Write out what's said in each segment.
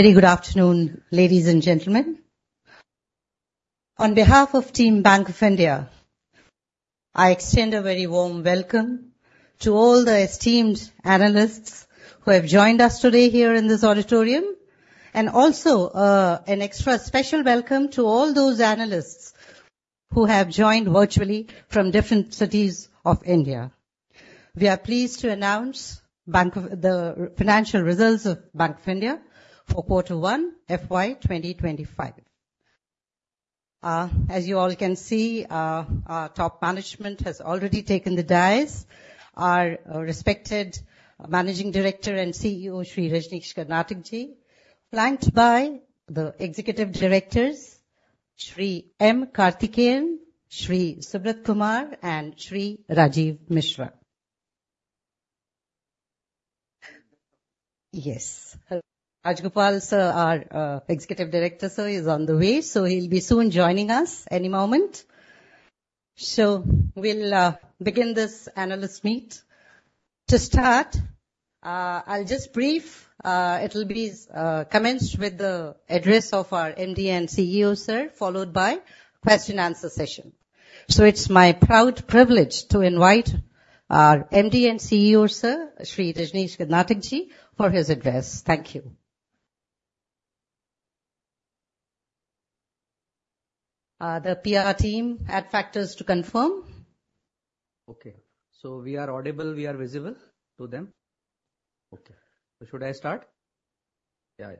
Very good afternoon, ladies and gentlemen. On behalf of Team Bank of India, I extend a very warm welcome to all the esteemed analysts who have joined us today here in this auditorium, and also an extra special welcome to all those analysts who have joined virtually from different cities of India. We are pleased to announce the financial results of Bank of India for Q1 FY 2025. As you all can see, our top management has already taken the dais. Our respected Managing Director and CEO, Shri Rajneesh Karnatak Ji, flanked by the Executive Directors, Shri M. Karthikeyan, Shri Subrat Kumar, and Shri Rajiv Mishra. Yes. Rajagopal, sir, our Executive Director, sir, is on the way, so he'll be soon joining us any moment. So we'll begin this analyst meet. To start, I'll just brief. It'll be commenced with the address of our MD and CEO, sir, followed by question and answer session. It's my proud privilege to invite our MD and CEO, sir, Shri Rajnish Karnatak Ji, for his address. Thank you. The PR team has to confirm? Okay. So we are audible, we are visible to them? Okay. So should I start? Yeah.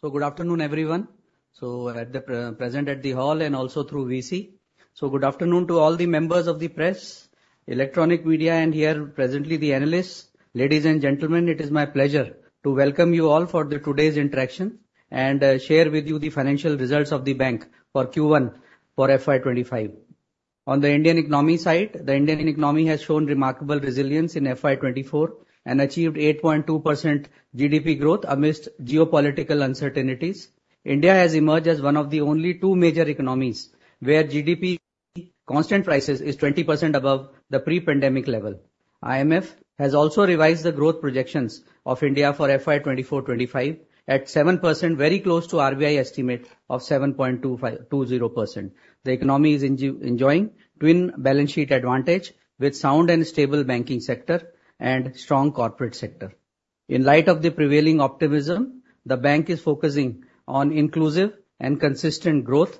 So good afternoon, everyone. So at the present at the hall and also through VC. So good afternoon to all the members of the press, electronic media, and here presently, the analysts. Ladies and gentlemen, it is my pleasure to welcome you all for the today's interaction and share with you the financial results of the bank for Q1 for FY 25. On the Indian economy side, the Indian economy has shown remarkable resilience in FY 24 and achieved 8.2% GDP growth amidst geopolitical uncertainties. India has emerged as one of the only two major economies where GDP constant prices is 20% above the pre-pandemic level. IMF has also revised the growth projections of India for FY 2024-25 at 7%, very close to RBI estimate of 7.2%. The economy is enjoying twin balance sheet advantage with sound and stable banking sector and strong corporate sector. In light of the prevailing optimism, the bank is focusing on inclusive and consistent growth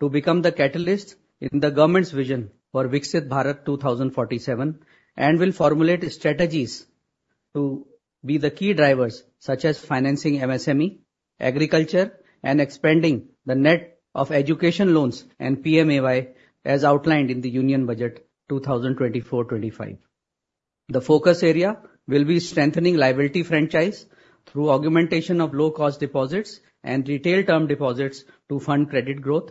to become the catalyst in the government's vision for Viksit Bharat 2047, and will formulate strategies to be the key drivers, such as financing MSME, agriculture, and expanding the net of education loans and PMAY, as outlined in the Union Budget 2024-25. The focus area will be strengthening liability franchise through augmentation of low-cost deposits and retail term deposits to fund credit growth.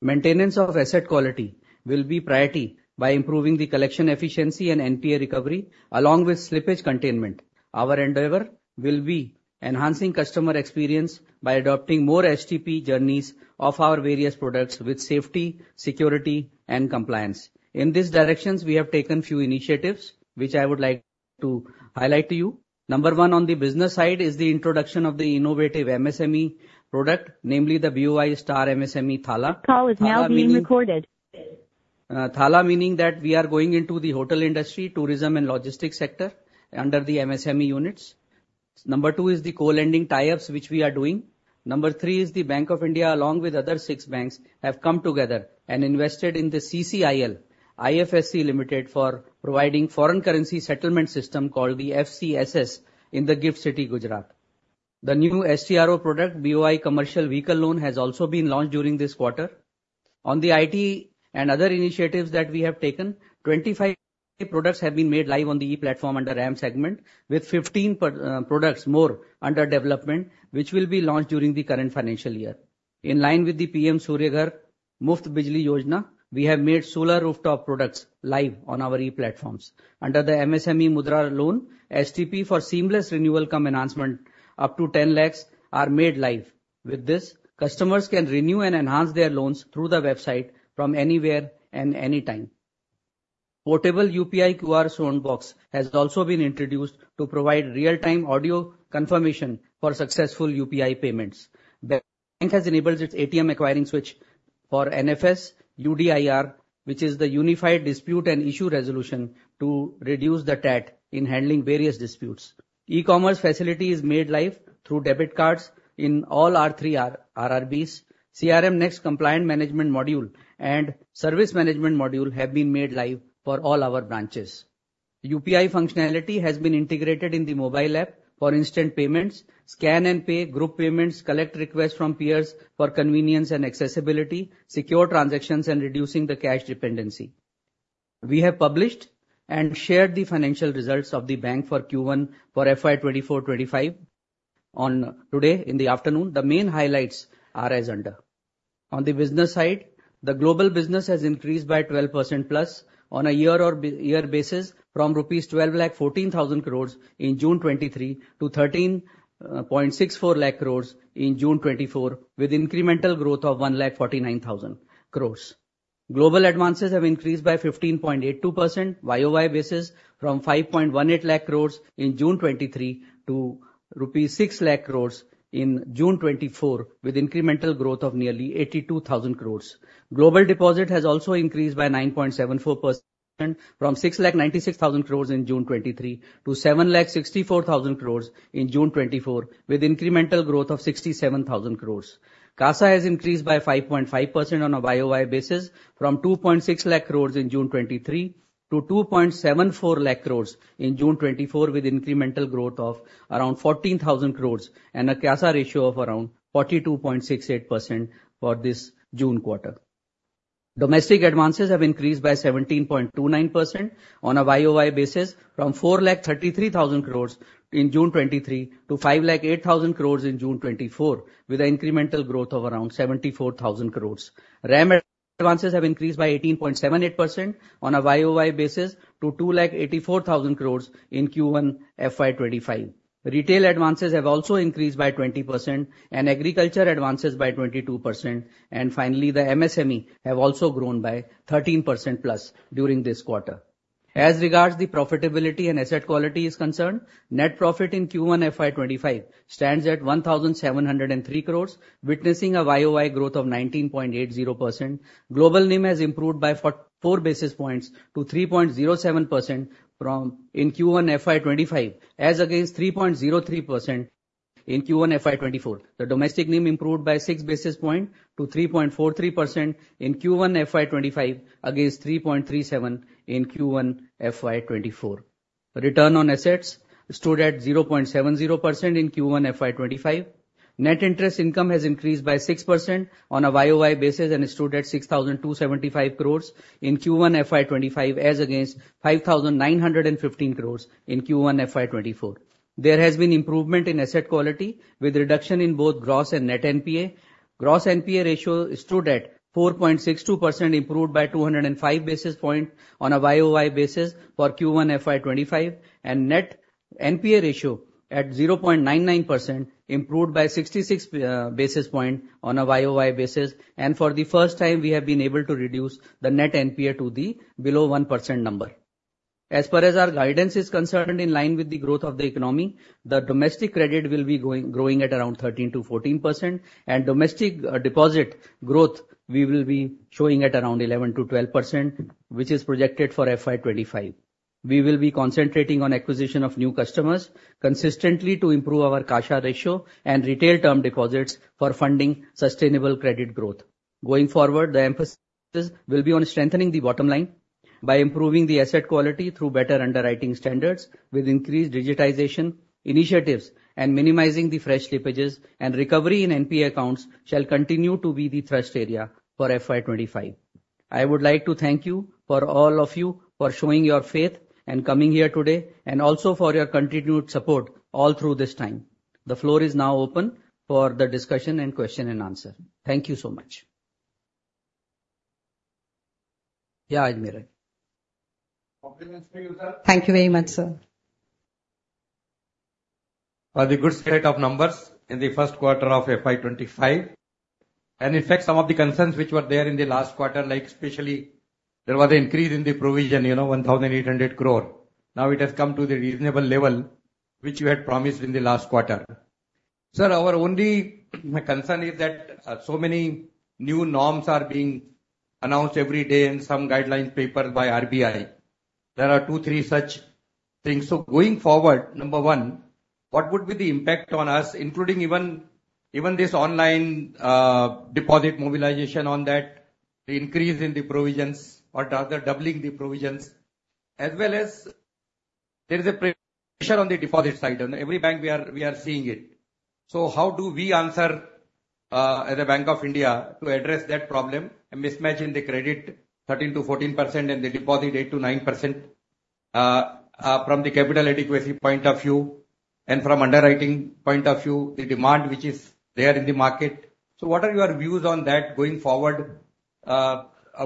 Maintenance of asset quality will be priority by improving the collection efficiency and NPA recovery, along with slippage containment. Our endeavor will be enhancing customer experience by adopting more STP journeys of our various products with safety, security, and compliance. In these directions, we have taken a few initiatives, which I would like to highlight to you. Number one on the business side is the introduction of the innovative MSME product, namely the BOI Star MSME TUL. Call is now being recorded. THALA meaning that we are going into the hotel industry, tourism, and logistics sector under the MSME units. Number two is the co-lending tie-ups, which we are doing. Number three is the Bank of India, along with other 6 banks, have come together and invested in the CCIL IFSC Limited, for providing foreign currency settlement system called the FCSS in the GIFT City, Gujarat. The new STRO product, BOI Commercial Vehicle Loan, has also been launched during this quarter. On the IT and other initiatives that we have taken, 25 products have been made live on the e-platform under RAM segment, with 15 products more under development, which will be launched during the current financial year. In line with the PM Surya Ghar Muft Bijli Yojana, we have made solar rooftop products live on our e-platforms. Under the MSME Mudra Loan, STP for seamless renewal cum enhancement up to 10 lakhs are made live. With this, customers can renew and enhance their loans through the website from anywhere and anytime. Portable UPI QR Sound Box has also been introduced to provide real-time audio confirmation for successful UPI payments. Bank has enabled its ATM acquiring switch for NFS UDIR, which is the Unified Dispute and Issue Resolution, to reduce the TAT in handling various disputes. E-commerce facility is made live through debit cards in all our three RRBs. CRMNext compliant management module and service management module have been made live for all our branches. UPI functionality has been integrated in the mobile app for instant payments, scan and pay, group payments, collect requests from peers for convenience and accessibility, secure transactions, and reducing the cash dependency. We have published and shared the financial results of the bank for Q1 for FY 2024-25 on today in the afternoon. The main highlights are as under. On the business side, the global business has increased by 12%+ on a year-over-year basis from rupees 1,214,000 crore in June 2023 to 13.64 lakh crore in June 2024, with incremental growth of 149,000 crore. Global advances have increased by 15.82% YOY basis from 518,000 crore in June 2023 to rupees 600,000 crore in June 2024, with incremental growth of nearly 82,000 crore. Global deposit has also increased by 9.74%, from 696,000 crore in June 2023 to 764,000 crore in June 2024, with incremental growth of 67,000 crore. CASA has increased by 5.5% on a YOY basis from 260,000 crore in June 2023 to 274,000 crore in June 2024, with incremental growth of around 14,000 crore and a CASA ratio of around 42.68% for this June quarter. Domestic advances have increased by 17.29% on a YOY basis from 433,000 crore in June 2023 to 508,000 crore in June 2024, with an incremental growth of around 74,000 crore. RAM advances have increased by 18.78% on a YOY basis to 284,000 crore in Q1 FY25. Retail advances have also increased by 20% and agriculture advances by 22%. Finally, the MSME have also grown by 13%+ during this quarter. As regards the profitability and asset quality is concerned, net profit in Q1 FY25 stands at 1,703 crore, witnessing a YOY growth of 19.80%. Global NIM has improved by 4 basis points to 3.07% from, in Q1 FY25, as against 3.03% in Q1 FY24. The domestic NIM improved by 6 basis points to 3.43% in Q1 FY25, against 3.37% in Q1 FY24. Return on Assets stood at 0.70% in Q1 FY25. Net interest income has increased by 6% on a YOY basis, and stood at 6,275 crore in Q1 FY25, as against 5,915 crore in Q1 FY24. There has been improvement in asset quality, with reduction in both gross and net NPA. Gross NPA ratio stood at 4.62%, improved by 205 basis points on a YOY basis for Q1 FY25, and net NPA ratio at 0.99%, improved by 66 basis points on a YOY basis. For the first time, we have been able to reduce the net NPA to the below one percent number. As far as our guidance is concerned, in line with the growth of the economy, the domestic credit will be going, growing at around 13%-14%, and domestic, deposit growth, we will be showing at around 11%-12%, which is projected for FY 25. We will be concentrating on acquisition of new customers consistently to improve our CASA ratio and retail term deposits for funding sustainable credit growth. Going forward, the emphasis will be on strengthening the bottom line by improving the asset quality through better underwriting standards, with increased digitization initiatives and minimizing the fresh slippages and recovery in NPA accounts shall continue to be the thrust area for FY 25. I would like to thank you for all of you for showing your faith and coming here today, and also for your continued support all through this time. The floor is now open for the discussion and question and answer. Thank you so much. Thank you very much, sir, for the good set of numbers in the first quarter of FY 25. In fact, some of the concerns which were there in the last quarter, like especially there was an increase in the provision, you know, 1,800 crore. Now it has come to the reasonable level which you had promised in the last quarter. Sir, our only concern is that so many new norms are being announced every day and some guideline paper by RBI. There are 2, 3 such things. Going forward, number one, what would be the impact on us, including even, even this online, deposit mobilization on that, the increase in the provisions or rather doubling the provisions, as well as there is a pressure on the deposit side. On every bank we are, we are seeing it. So how do we answer, as a Bank of India, to address that problem, a mismatch in the credit 13%-14% and the deposit 8%-9%, from the capital adequacy point of view and from underwriting point of view, the demand which is there in the market. So what are your views on that going forward?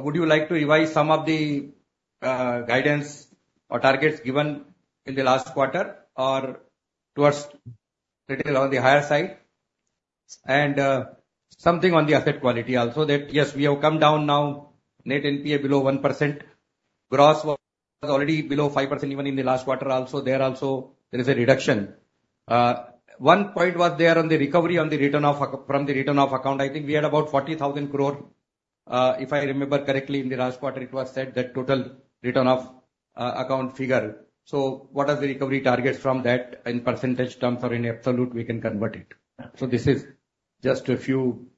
Would you like to revise some of the, guidance or targets given in the last quarter or towards retail on the higher side? And, something on the asset quality also, that yes, we have come down now, net NPA below 1%. Gross was already below 5% even in the last quarter. Also, there also is a reduction. One point was there on the recovery, on the return of, from the return of account. I think we had about 40,000 crore, if I remember correctly, in the last quarter it was said that total return of account figure. So what are the recovery targets from that in percentage terms or in absolute we can convert it? So this is just a few,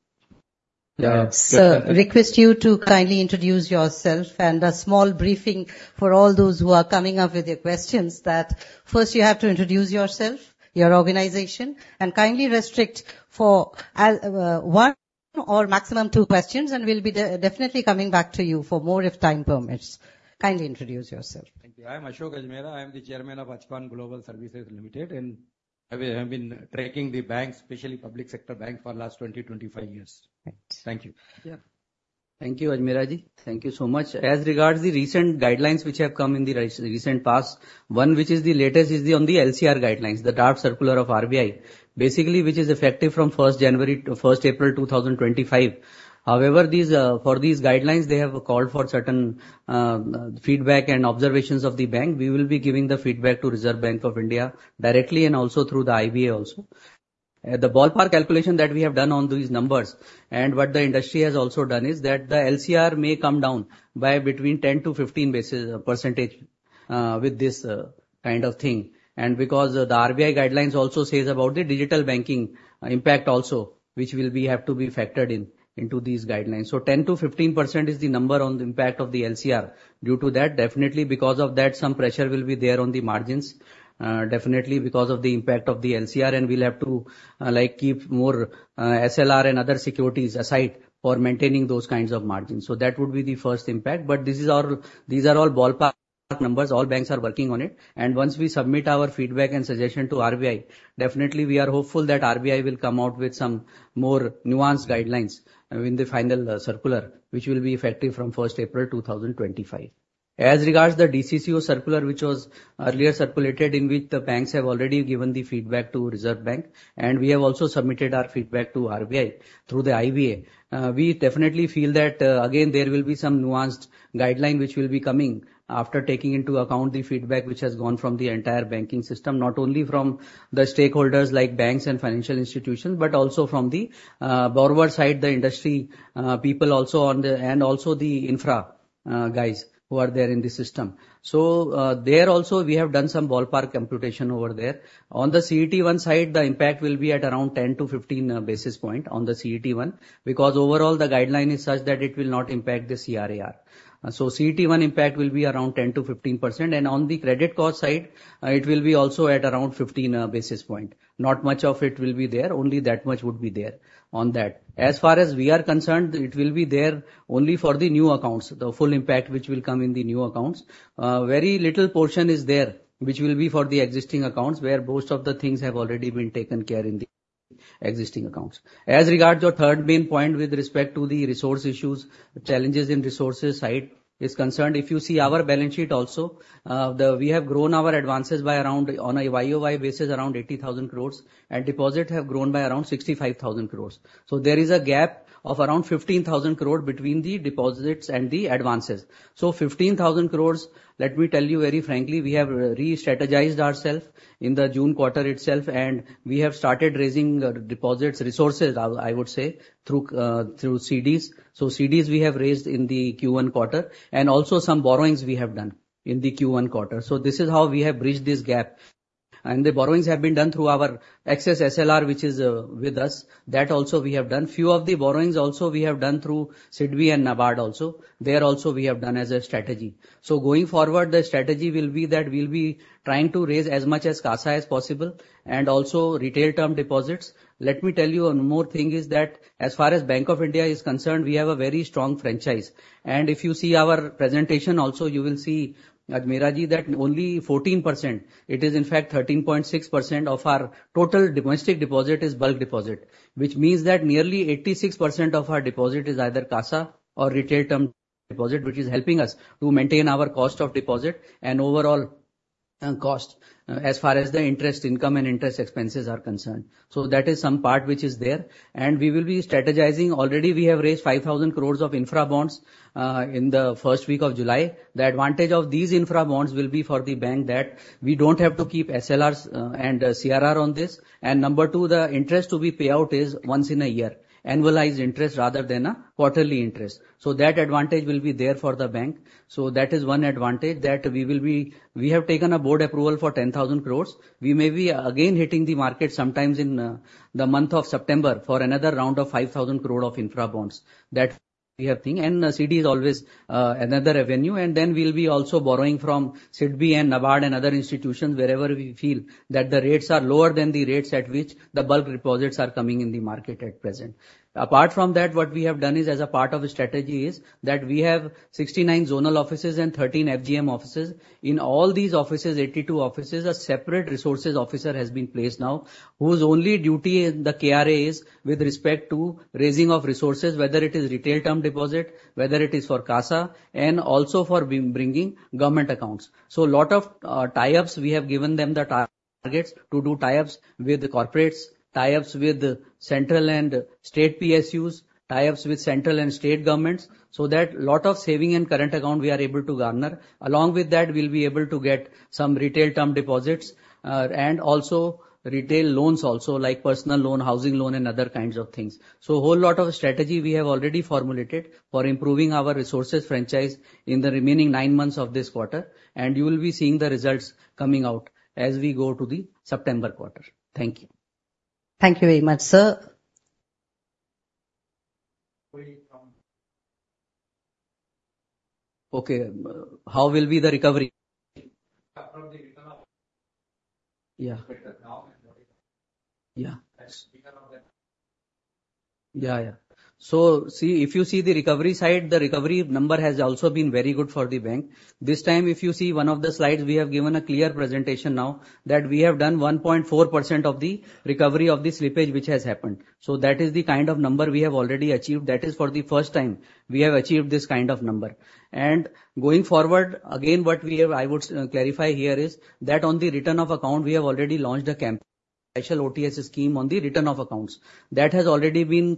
Sir, request you to kindly introduce yourself and a small briefing for all those who are coming up with their questions, that first you have to introduce yourself, your organization, and kindly restrict for one or maximum two questions, and we'll be definitely coming back to you for more if time permits. Kindly introduce yourself. Thank you. I am Ashok Ajmera. I am the chairman of Ajcon Global Services Limited, and I have, I have been tracking the bank, especially public sector bank, for the last 25 years. Thanks. Thank you. Thank you, Ajmera ji. Thank you so much. As regards the recent guidelines which have come in the recent past, one which is the latest is on the LCR guidelines, the draft circular of RBI, basically, which is effective from first January to first April 2025. However, for these guidelines, they have called for certain feedback and observations of the bank. We will be giving the feedback to Reserve Bank of India directly and also through the IBA also. The ballpark calculation that we have done on these numbers, and what the industry has also done, is that the LCR may come down by between 10-15 basis points with this kind of thing. And because the RBI guidelines also says about the digital banking impact also, which will have to be factored into these guidelines. So 10%-15% is the number on the impact of the LCR. Due to that, definitely because of that, some pressure will be there on the margins, definitely because of the impact of the LCR. And we'll have to, like, keep more, SLR and other securities aside for maintaining those kinds of margins. So that would be the first impact. But these are all ballpark numbers. All banks are working on it. And once we submit our feedback and suggestion to RBI, definitely we are hopeful that RBI will come out with some more nuanced guidelines in the final circular, which will be effective from first April 2025. As regards the DCCO circular, which was earlier circulated, in which the banks have already given the feedback to Reserve Bank, and we have also submitted our feedback to RBI through the IBA. We definitely feel that, again, there will be some nuanced guideline which will be coming after taking into account the feedback which has gone from the entire banking system, not only from the stakeholders like banks and financial institutions, but also from the, borrower side, the industry, people also on the- and also the infra, guys who are there in the system. So, there also, we have done some ballpark computation over there. On the CET1 side, the impact will be at around 10-15 basis point on the CET1, because overall the guideline is such that it will not impact the CRAR. So CET1 impact will be around 10%-15%, and on the credit card side, it will be also at around 15 basis point. Not much of it will be there, only that much would be there on that. As far as we are concerned, it will be there only for the new accounts, the full impact which will come in the new accounts. Very little portion is there, which will be for the existing accounts, where most of the things have already been taken care in the existing accounts. As regards your third main point with respect to the resource issues, challenges in resources side is concerned, if you see our balance sheet also, we have grown our advances by around, on a YOY basis, around 80,000 crore, and deposits have grown by around 65,000 crore. So there is a gap of around 15,000 crore between the deposits and the advances. So 15,000 crores, let me tell you very frankly, we have re-strategized ourself in the June quarter itself, and we have started raising deposits resources, I would say, through CDs. So CDs we have raised in the Q1 quarter, and also some borrowings we have done in the Q1 quarter. So this is how we have bridged this gap. And the borrowings have been done through our excess SLR, which is with us. That also we have done. Few of the borrowings also we have done through SIDBI and NABARD also. There also we have done as a strategy. So going forward, the strategy will be that we'll be trying to raise as much as CASA as possible and also retail term deposits. Let me tell you one more thing is that as far as Bank of India is concerned, we have a very strong franchise. And if you see our presentation also, you will see, Ajmera ji, that only 14%, it is in fact 13.6% of our total domestic deposit is bulk deposit. Which means that nearly 86% of our deposit is either CASA or retail term deposit, which is helping us to maintain our cost of deposit and overall, cost, as far as the interest income and interest expenses are concerned. So that is some part which is there, and we will be strategizing. Already we have raised 5,000 crore of Infra Bonds in the first week of July. The advantage of these infra bonds will be for the bank that we don't have to keep SLRs, and CRR on this. Number two, the interest to be payout is once in a year, annualized interest rather than a quarterly interest. So that advantage will be there for the bank. So that is one advantage that we will be... We have taken a board approval for 10,000 crore. We may be again hitting the market sometimes in the month of September for another round of 5,000 crore of infra bonds. That we are thinking, and CD is always another avenue. And then we'll be also borrowing from SIDBI and NABARD and other institutions wherever we feel that the rates are lower than the rates at which the bulk deposits are coming in the market at present. Apart from that, what we have done is as a part of the strategy is that we have 69 zonal offices and 13 FGM offices. In all these offices, 82 offices, a separate resources officer has been placed now, whose only duty in the KRA is with respect to raising of resources, whether it is retail term deposit, whether it is for CASA, and also for bringing government accounts. So a lot of tie-ups, we have given them the targets to do tie-ups with the corporates, tie-ups with central and state PSUs, tie-ups with central and state governments, so that lot of saving and current account we are able to garner. Along with that, we'll be able to get some retail term deposits, and also retail loans also, like personal loan, housing loan, and other kinds of things. A whole lot of strategy we have already formulated for improving our resources franchise in the remaining nine months of this quarter, and you will be seeing the results coming out as we go to the September quarter. Thank you. Thank you very much, sir. We from- Okay, how will be the recovery? From the return of- Yeah. Better now than earlier. Yeah. As return of the-... Yeah, yeah. So see, if you see the recovery side, the recovery number has also been very good for the bank. This time, if you see one of the slides, we have given a clear presentation now that we have done 1.4% of the recovery of the slippage which has happened. So that is the kind of number we have already achieved. That is for the first time we have achieved this kind of number. And going forward, again, what we have, I would clarify here is that on the return of account, we have already launched a campaign, special OTS scheme on the return of accounts. That has already been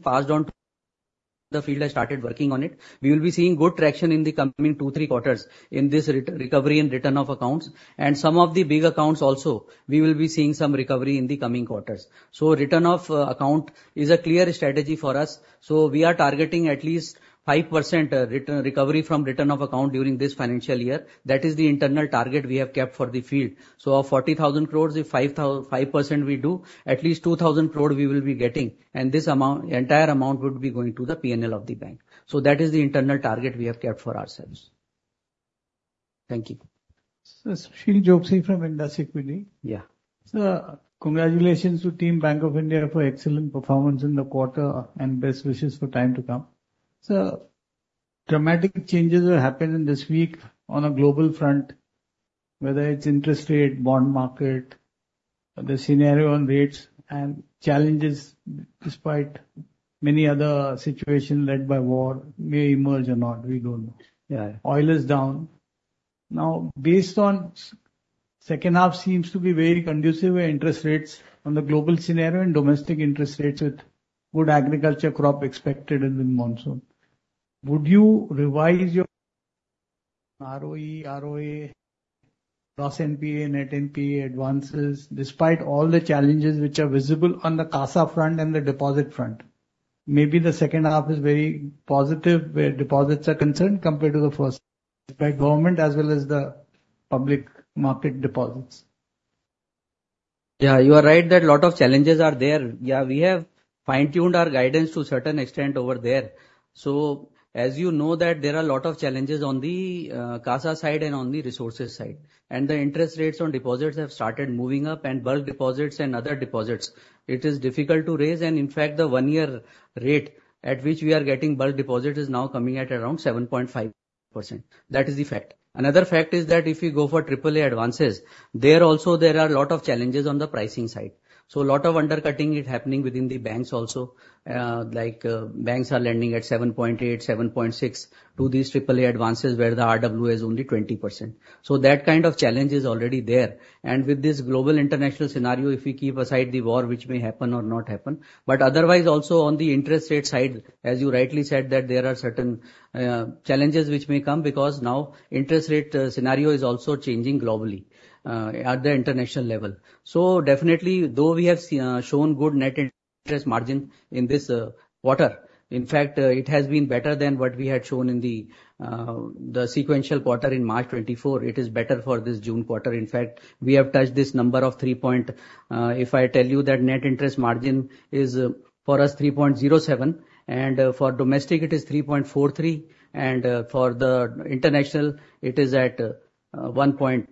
passed on, the field has started working on it. We will be seeing good traction in the coming two, three quarters in this recovery and return of accounts. Some of the big accounts also, we will be seeing some recovery in the coming quarters. So return of account is a clear strategy for us. So we are targeting at least 5%, return recovery from return of account during this financial year. That is the internal target we have kept for the field. So of 40,000 crore, if 5% we do, at least 2,000 crore we will be getting, and this amount, entire amount would be going to the PNL of the bank. So that is the internal target we have kept for ourselves. Thank you. Sir, Sunil Choksi from Indus Equity Advisors. Yeah. Sir, congratulations to team Bank of India for excellent performance in the quarter, and best wishes for times to come. Sir, dramatic changes have happened in this week on a global front, whether it's interest rate, bond market, the scenario on rates and challenges, despite many other situations led by war, may emerge or not, we don't know. Yeah. Oil is down. Now, based on second half seems to be very conducive where interest rates on the global scenario and domestic interest rates with good agriculture crop expected in the monsoon. Would you revise your ROE, ROA, Gross NPA, Net NPA advances, despite all the challenges which are visible on the CASA front and the deposit front? Maybe the second half is very positive where deposits are concerned compared to the first, by government as well as the public market deposits. Yeah, you are right that lot of challenges are there. Yeah, we have fine-tuned our guidance to a certain extent over there. So as you know that there are a lot of challenges on the, CASA side and on the resources side, and the interest rates on deposits have started moving up, and bulk deposits and other deposits, it is difficult to raise. And in fact, the one-year rate at which we are getting bulk deposit is now coming at around 7.5%. That is the fact. Another fact is that if you go for triple A advances, there also there are a lot of challenges on the pricing side. So a lot of undercutting is happening within the banks also, like, banks are lending at 7.8, 7.6, to these triple A advances, where the RW is only 20%. So that kind of challenge is already there. And with this global international scenario, if we keep aside the war, which may happen or not happen, but otherwise also on the interest rate side, as you rightly said, that there are certain challenges which may come, because now interest rate scenario is also changing globally at the international level. So definitely, though we have shown good net interest margin in this quarter, in fact, it has been better than what we had shown in the sequential quarter in March 2024. It is better for this June quarter. In fact, we have touched this number of 3 point... If I tell you that net interest margin is, for us, 3.07, and for domestic it is 3.43, and for the international, it is at one point...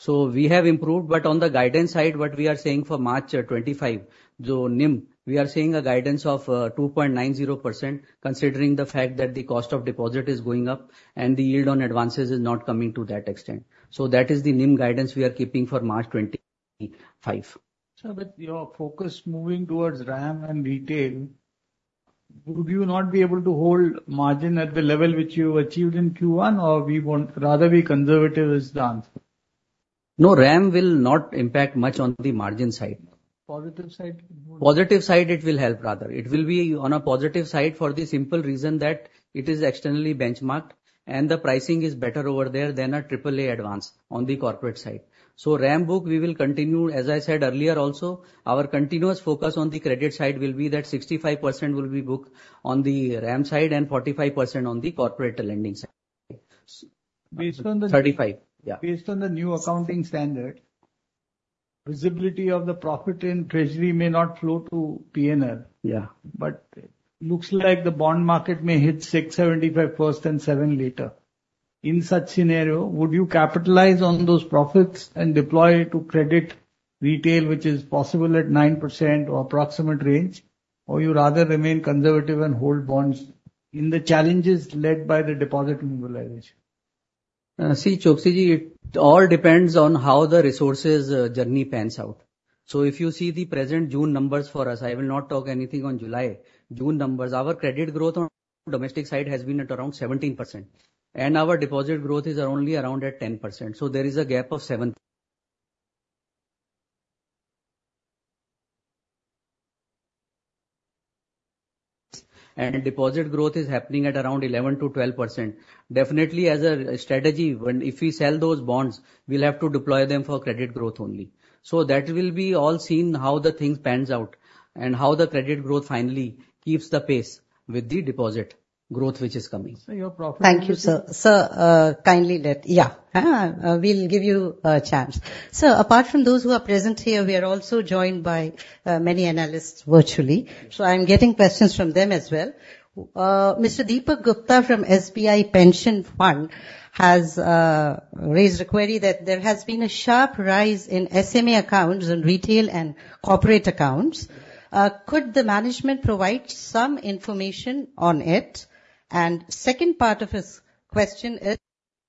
So we have improved, but on the guidance side, what we are saying for March 2025, the NIM, we are seeing a guidance of 2.90%, considering the fact that the cost of deposit is going up and the yield on advances is not coming to that extent. So that is the NIM guidance we are keeping for March 2025. Sir, but your focus moving towards RAM and retail, would you not be able to hold margin at the level which you achieved in Q1, or we want rather be conservative is the answer? No, RAM will not impact much on the margin side. Positive side? Positive side, it will help rather. It will be on a positive side for the simple reason that it is externally benchmarked, and the pricing is better over there than a triple A advance on the corporate side. So RAM book, we will continue. As I said earlier also, our continuous focus on the credit side will be that 65% will be booked on the RAM side and 45% on the corporate lending side. Based on the- Thirty-five. Yeah. Based on the new accounting standard, visibility of the profit in treasury may not flow to PNL. Yeah. But looks like the bond market may hit 6.75 first and 7 later. In such scenario, would you capitalize on those profits and deploy to credit retail, which is possible at 9% or approximate range, or you rather remain conservative and hold bonds in the challenges led by the deposit mobilization? See, Choksi, it all depends on how the resources journey pans out. So if you see the present June numbers for us, I will not talk anything on July. June numbers, our credit growth on domestic side has been at around 17%, and our deposit growth is only around at 10%. So there is a gap of 7. And deposit growth is happening at around 11%-12%. Definitely, as a, a strategy, when if we sell those bonds, we'll have to deploy them for credit growth only. So that will be all seen how the thing pans out, and how the credit growth finally keeps the pace with the deposit growth, which is coming. Sir, your profit- Thank you, sir. Sir, we'll give you chance. Sir, apart from those who are present here, we are also joined by many analysts virtually. So I'm getting questions from them as well. Mr. Deepak Gupta from SBI Pension Fund has raised a query that there has been a sharp rise in SME accounts on retail and corporate accounts. Could the management provide some information on it? And second part of his question is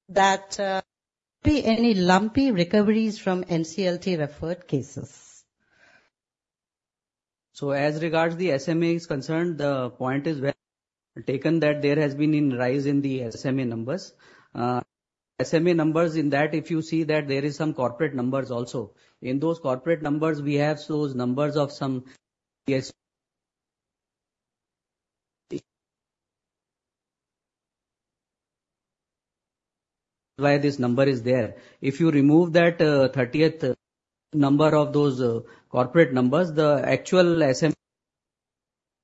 that, could be any lumpy recoveries from NCLT referred cases?... So as regards the SMA is concerned, the point is well taken that there has been a rise in the SMA numbers. SMA numbers in that, if you see that, there is some corporate numbers also. In those corporate numbers, we have those numbers of some—why this number is there. If you remove that, 30th number of those corporate numbers, the actual SMA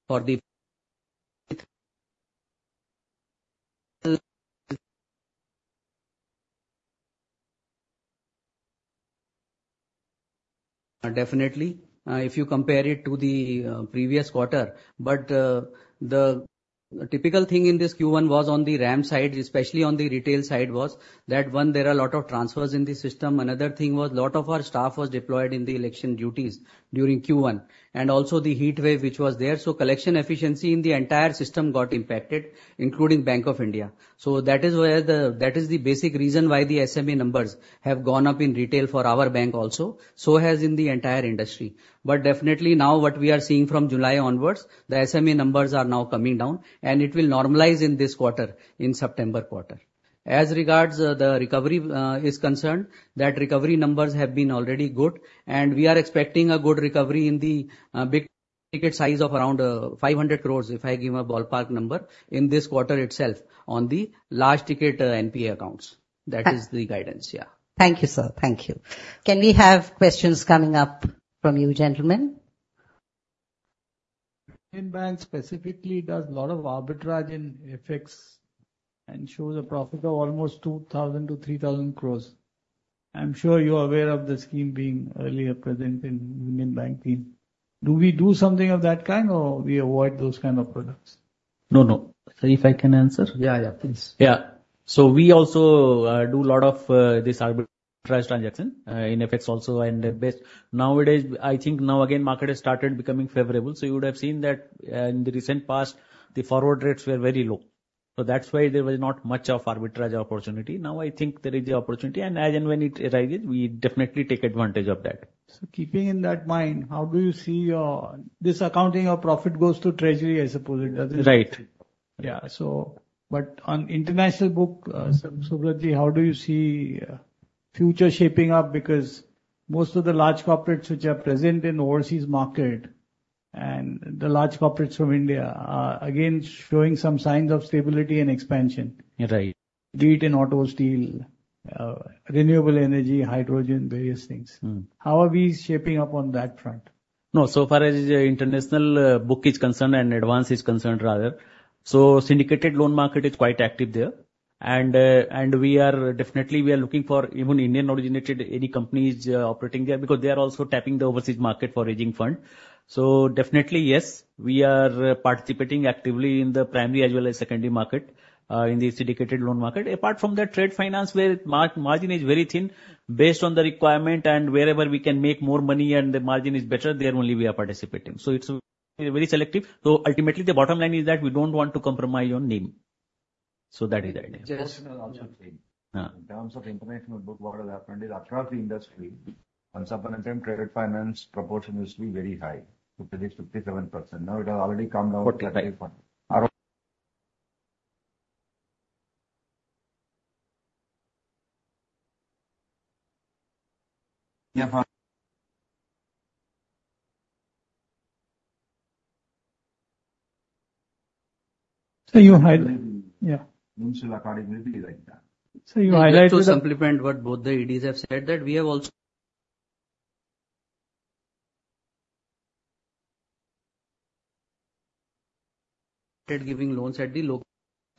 for the—definitely, if you compare it to the previous quarter. But the typical thing in this Q1 was on the RAM side, especially on the retail side, was that, one, there are a lot of transfers in the system. Another thing was a lot of our staff was deployed in the election duties during Q1, and also the heat wave, which was there. So collection efficiency in the entire system got impacted, including Bank of India. So that is where that is the basic reason why the SMA numbers have gone up in retail for our bank also, so has in the entire industry. But definitely now what we are seeing from July onwards, the SMA numbers are now coming down, and it will normalize in this quarter, in September quarter. As regards the recovery, is concerned, that recovery numbers have been already good, and we are expecting a good recovery in the, big ticket size of around, 500 crore, if I give a ballpark number, in this quarter itself on the large ticket NPA accounts. Thank- That is the guidance, yeah. Thank you, sir. Thank you. Can we have questions coming up from you, gentlemen? Union Bank specifically does a lot of arbitrage in FX and shows a profit of almost 2,000 crore-3,000 crore. I'm sure you're aware of the scheme being earlier present in Union Bank team. Do we do something of that kind, or we avoid those kind of products? No, no. Sir, if I can answer? Yeah, yeah. Please. Yeah. So we also do a lot of this arbitrage transaction in FX also and the best. Nowadays, I think now again, market has started becoming favorable. So you would have seen that, in the recent past, the forward rates were very low. So that's why there was not much of arbitrage opportunity. Now, I think there is the opportunity, and as and when it arises, we definitely take advantage of that. So, keeping that in mind, how do you see your...? This accounting of profit goes to treasury, I suppose it does? Right. Yeah. So, but on international book, Subratji, how do you see future shaping up? Because most of the large corporates which are present in overseas market and the large corporates from India are again showing some signs of stability and expansion. Right. Be it in auto, steel, renewable energy, hydrogen, various things. Mm. How are we shaping up on that front? No, so far as the international book is concerned, and advance is concerned, rather, so syndicated loan market is quite active there. And, and we are definitely, we are looking for even Indian-originated, any companies, operating there, because they are also tapping the overseas market for raising fund. So definitely, yes, we are participating actively in the primary as well as secondary market, in the syndicated loan market. Apart from that, trade finance, where margin is very thin, based on the requirement and wherever we can make more money and the margin is better, there only we are participating. So it's very selective. So ultimately, the bottom line is that we don't want to compromise on NIM. So that is the idea. Just- Also, in terms of international book, what has happened is across the industry, once upon a time, credit finance proportion used to be very high, up to 57%. Now it has already come down. Right. Our- Yeah. Sir, you highlight. Yeah. According will be like that. Sir, you highlight- To supplement what both the ADs have said, that we have also ... giving loans at the local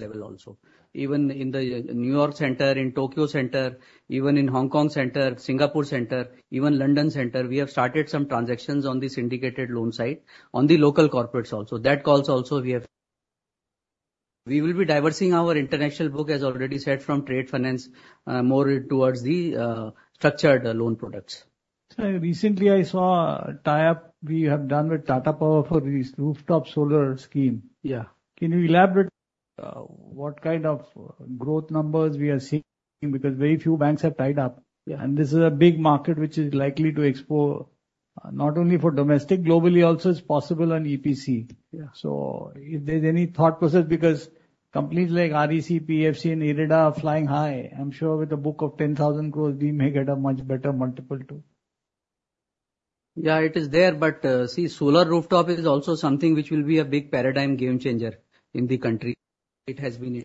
level also. Even in the New York center, in Tokyo center, even in Hong Kong center, Singapore center, even London center, we have started some transactions on the syndicated loan side, on the local corporates also. That calls also we have-- We will be diversifying our international book, as already said, from trade finance, more towards the structured loan products. Sir, recently I saw a tie-up we have done with Tata Power for this rooftop solar scheme. Yeah. Can you elaborate, what kind of growth numbers we are seeing? Because very few banks have tied up. Yeah. This is a big market which is likely to explore, not only for domestic, globally also. It's possible on EPC. Yeah. So if there's any thought process, because companies like REC, PFC and IREDA are flying high. I'm sure with a book of 10,000 crore, we may get a much better multiple, too. Yeah, it is there, but see, solar rooftop is also something which will be a big paradigm game changer in the country. It has been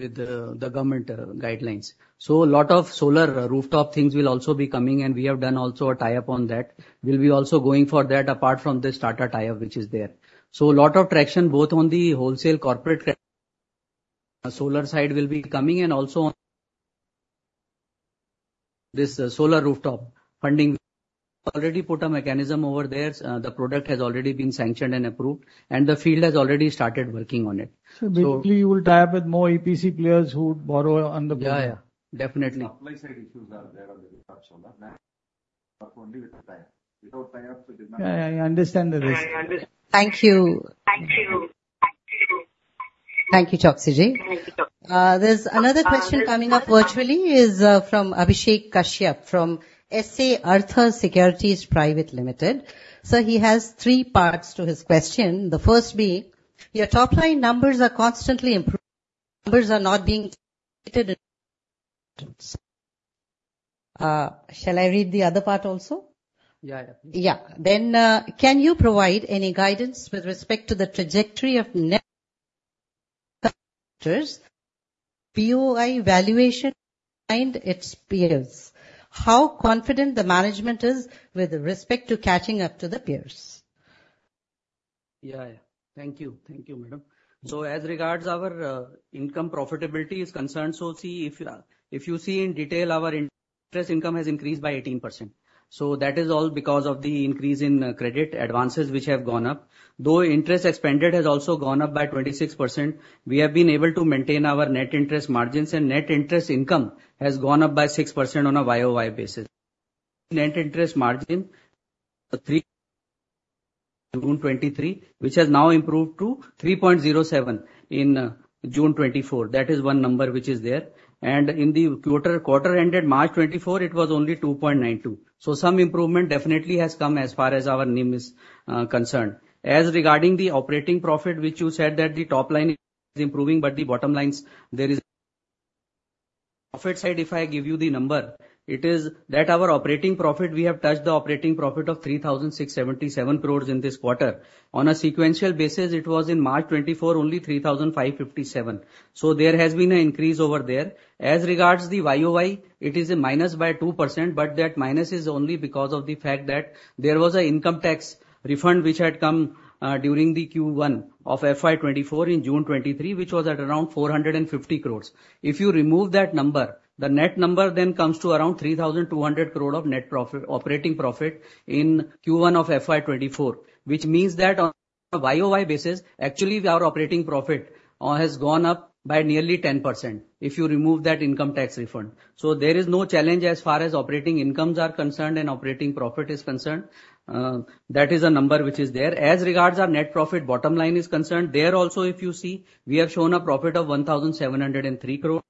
with the government guidelines. So a lot of solar rooftop things will also be coming, and we have done also a tie-up on that. We'll be also going for that, apart from this Tata tie-up, which is there. So a lot of traction, both on the wholesale corporate solar side will be coming and also on this solar rooftop funding. Already put a mechanism over there. The product has already been sanctioned and approved, and the field has already started working on it. So- Sir, basically, you will tie up with more EPC players who borrow on the- Yeah, yeah. Definitely. Supply side issues are there on the solar only with the tie-up. Without tie-ups, it is not- Yeah, I understand the risk. I under- Thank you. Thank you, Choksi ji. There's another question coming up virtually from Abhishek Kashyap from Sarthak Securities Private Limited. Sir, he has three parts to his question. The first being: Your top line numbers are constantly improving, numbers are not being. Shall I read the other part also? Yeah, yeah. Yeah. Then, can you provide any guidance with respect to the trajectory of net P/B valuation and its peers? How confident the management is with respect to catching up to the peers? Yeah, yeah. Thank you. Thank you, madam. So as regards our income profitability is concerned, so see, if, if you see in detail, our interest income has increased by 18%. So that is all because of the increase in credit advances, which have gone up. Though interest expended has also gone up by 26%, we have been able to maintain our net interest margins, and net interest income has gone up by 6% on a YOY basis. Net interest margin 3% June 2023, which has now improved to 3.07% in June 2024. That is one number which is there. And in the quarter ended March 2024, it was only 2.92%. So some improvement definitely has come as far as our NIM is concerned. As regarding the operating profit, which you said that the top line is improving, but the bottom lines, there is profit side, if I give you the number, it is that our operating profit, we have touched the operating profit of 3,677 crore in this quarter. On a sequential basis, it was in March 2024, only 3,557 crore. So there has been an increase over there. As regards the YOY, it is a minus by 2%, but that minus is only because of the fact that there was an income tax refund, which had come, during the Q1 of FY 2024 in June 2023, which was at around 450 crore. If you remove that number, the net number then comes to around 3,200 crore of net profit, operating profit in Q1 of FY 2024, which means that on a YOY basis, actually, our operating profit has gone up by nearly 10%, if you remove that income tax refund. So there is no challenge as far as operating incomes are concerned and operating profit is concerned. That is a number which is there. As regards our net profit bottom line is concerned, there also, if you see, we have shown a profit of 1,703 crore.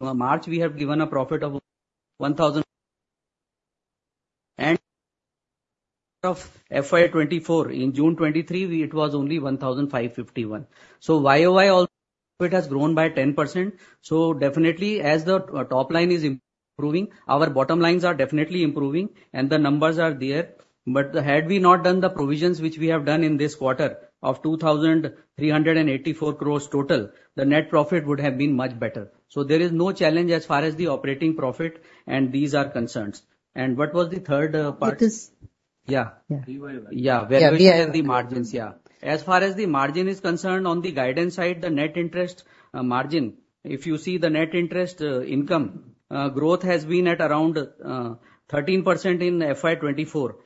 March, we have given a profit of 1,000 of FY 2024, in June 2023, we- it was only 1,551. So YOY also, it has grown by 10%. So definitely, as the top line is improving, our bottom lines are definitely improving and the numbers are there. But had we not done the provisions which we have done in this quarter of 2,384 crore total, the net profit would have been much better. So there is no challenge as far as the operating profit, and these are concerned. And what was the third, part? It is- Yeah. Yeah. YOY. Yeah. Yeah, YOY. The margins, yeah. As far as the margin is concerned, on the guidance side, the net interest margin, if you see the net interest income growth has been at around 13% in FY 2024.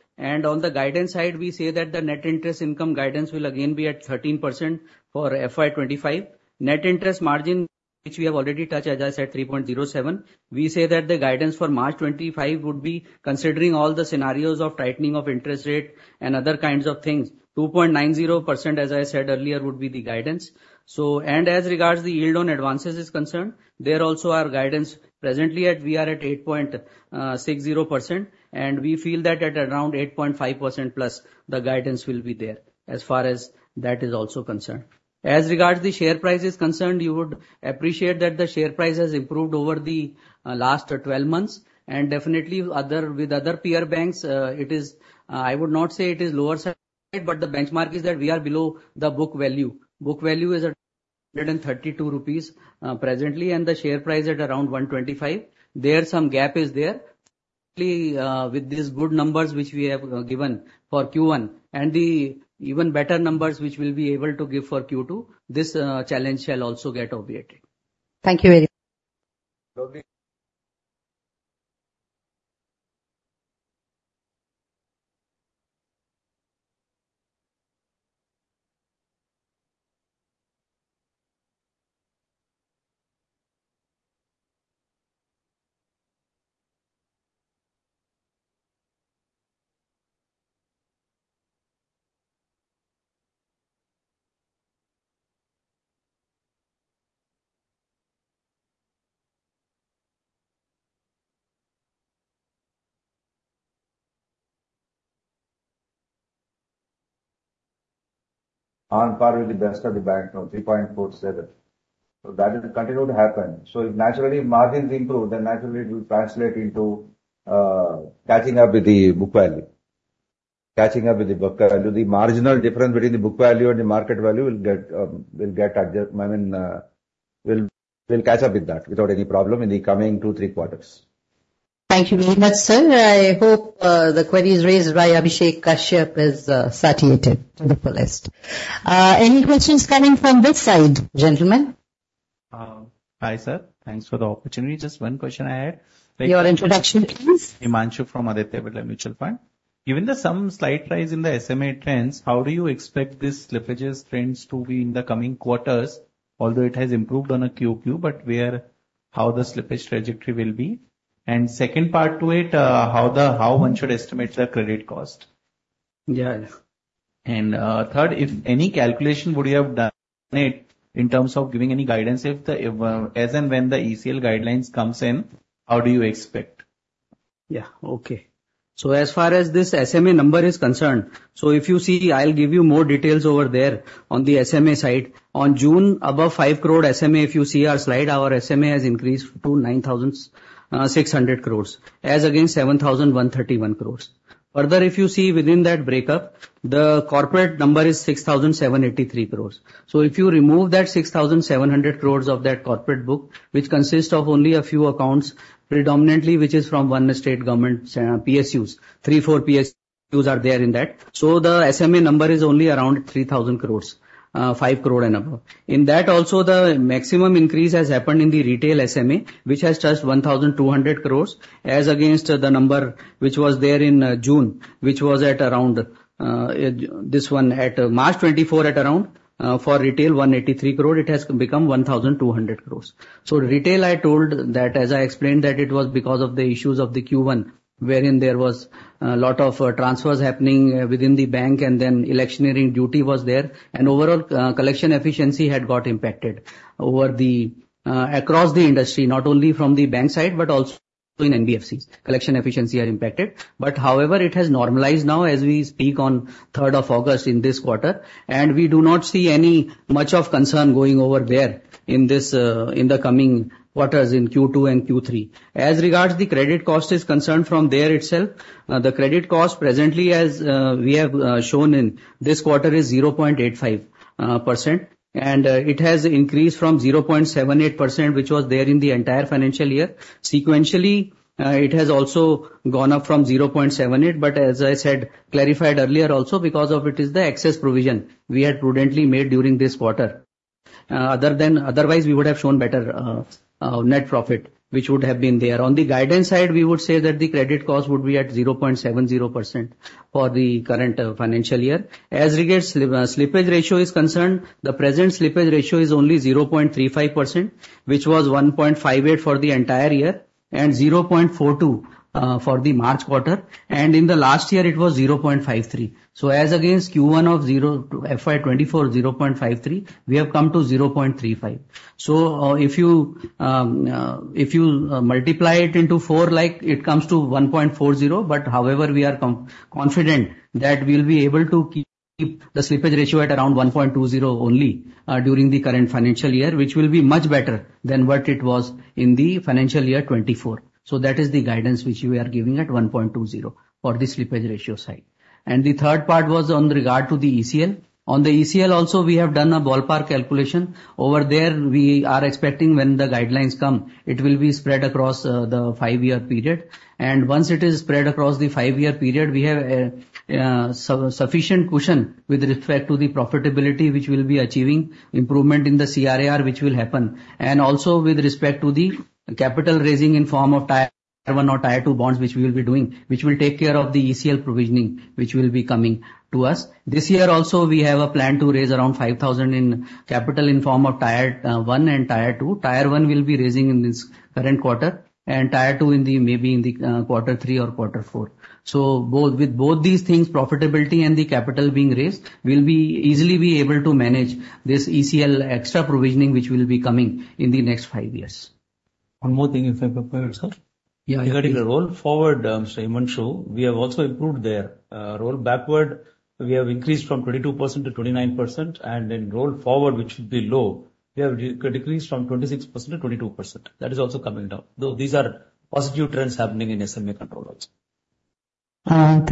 On the guidance side, we say that the net interest income guidance will again be at 13% for FY 2025. Net interest margin, which we have already touched, as I said, 3.07%. We say that the guidance for March 2025 would be considering all the scenarios of tightening of interest rate and other kinds of things, 2.90%, as I said earlier, would be the guidance. As regards the yield on advances is concerned, there also our guidance presently at, we are at 8.60%, and we feel that at around 8.5%+, the guidance will be there as far as that is also concerned. As regards the share price is concerned, you would appreciate that the share price has improved over the last 12 months. And definitely other, with other peer banks, it is, I would not say it is lower side, but the benchmark is that we are below the book value. Book value is at INR 132, presently, and the share price at around INR 125. There, some gap is there. With these good numbers, which we have given for Q1 and the even better numbers, which we'll be able to give for Q2, this challenge shall also get obviated. Thank you very much. So on par with the best of the bank, now 3.47. That will continue to happen. If naturally margins improve, then naturally it will translate into catching up with the book value. Catching up with the book value. The marginal difference between the book value and the market value will get, will get adjusted—I mean, we'll, we'll catch up with that without any problem in the coming two, three quarters. Thank you very much, sir. I hope, the queries raised by Abhishek Kashyap is, satiated to the fullest. Any questions coming from which side, gentlemen? Hi, sir. Thanks for the opportunity. Just one question I had. Your introduction, please. Himanshu from Aditya Birla Mutual Fund. Given the some slight rise in the SMA trends, how do you expect these slippages trends to be in the coming quarters? Although it has improved on a QOQ, but we are-... how the slippage trajectory will be? And second part to it, how one should estimate the credit cost? Yeah. Third, if any calculation would you have done it in terms of giving any guidance if the, as and when the ECL guidelines comes in, how do you expect? Yeah, okay. So as far as this SMA number is concerned, so if you see, I'll give you more details over there on the SMA side. On June, above 5 crore SMA, if you see our slide, our SMA has increased to 9,600 crores, as against 7,131 crores. Further, if you see within that breakup, the corporate number is 6,783 crores. So if you remove that 6,700 crores of that corporate book, which consists of only a few accounts, predominantly, which is from one state government, state PSUs, three, four PSUs are there in that. So the SMA number is only around 3,000 crores, 5 crore and above. In that also, the maximum increase has happened in the retail SMA, which has touched 1,200 crore, as against the number which was there in June, which was at around this one at March 2024, at around for retail 183 crore, it has become 1,200 crore. So retail, I told that as I explained, that it was because of the issues of the Q1, wherein there was a lot of transfers happening within the bank, and then electioneering duty was there. And overall, collection efficiency had got impacted over the, across the industry, not only from the bank side, but also in NBFCs, collection efficiency are impacted. But however, it has normalized now as we speak on third of August in this quarter, and we do not see any much of concern going over there in this, in the coming quarters, in Q2 and Q3. As regards the credit cost is concerned from there itself, the credit cost presently, as we have shown in this quarter, is 0.85%, and it has increased from 0.78%, which was there in the entire financial year. Sequentially, it has also gone up from 0.78%, but as I said, clarified earlier also, because of it is the excess provision we had prudently made during this quarter. Otherwise, we would have shown better, net profit, which would have been there. On the guidance side, we would say that the credit cost would be at 0.70% for the current financial year. As regards slippage ratio is concerned, the present slippage ratio is only 0.35%, which was 1.58 for the entire year and 0.42 for the March quarter. And in the last year, it was 0.53. So as against Q1 of FY 2024, 0.53, we have come to 0.35. So, if you multiply it into four, like, it comes to 1.40. But however, we are confident that we'll be able to keep the slippage ratio at around 1.20 only, during the current financial year, which will be much better than what it was in the financial year 2024. So that is the guidance which we are giving at 1.20 for the slippage ratio side. And the third part was with regard to the ECL. On the ECL also, we have done a ballpark calculation. Over there, we are expecting when the guidelines come, it will be spread across, the 5-year period. And once it is spread across the 5-year period, we have, sufficient cushion with respect to the profitability, which we'll be achieving improvement in the CRAR, which will happen. And also with respect to the capital raising in form of Tier One or Tier Two bonds, which we will be doing, which will take care of the ECL provisioning, which will be coming to us. This year also, we have a plan to raise around 5,000 in capital in form of Tier One and Tier Two. Tier One will be raising in this current quarter and Tier Two in the, maybe in the, quarter three or quarter four. So both, with both these things, profitability and the capital being raised, we'll easily be able to manage this ECL extra provisioning, which will be coming in the next five years. One more thing, if I prepare, sir? Yeah. Regarding the roll forward, so we have also improved there. Roll backward, we have increased from 22% to 29%, and in roll forward, which should be low, we have decreased from 26% to 22%. That is also coming down, though these are positive trends happening in SMA control also.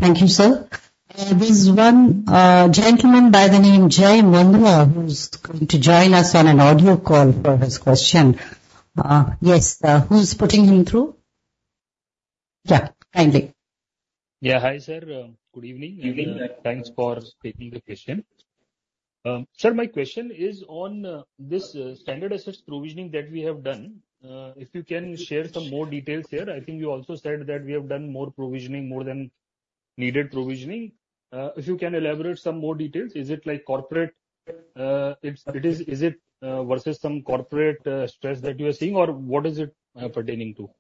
Thank you, sir. There's one gentleman by the name Jay Mundra, who's going to join us on an audio call for his question. Who's putting him through? Yeah, thank you. Yeah. Hi, sir, good evening. Evening. Thanks for taking the question. Sir, my question is on this standard assets provisioning that we have done. If you can share some more details there. I think you also said that we have done more provisioning, more than needed provisioning. If you can elaborate some more details, is it like corporate versus some corporate stress that you are seeing, or what is it pertaining to?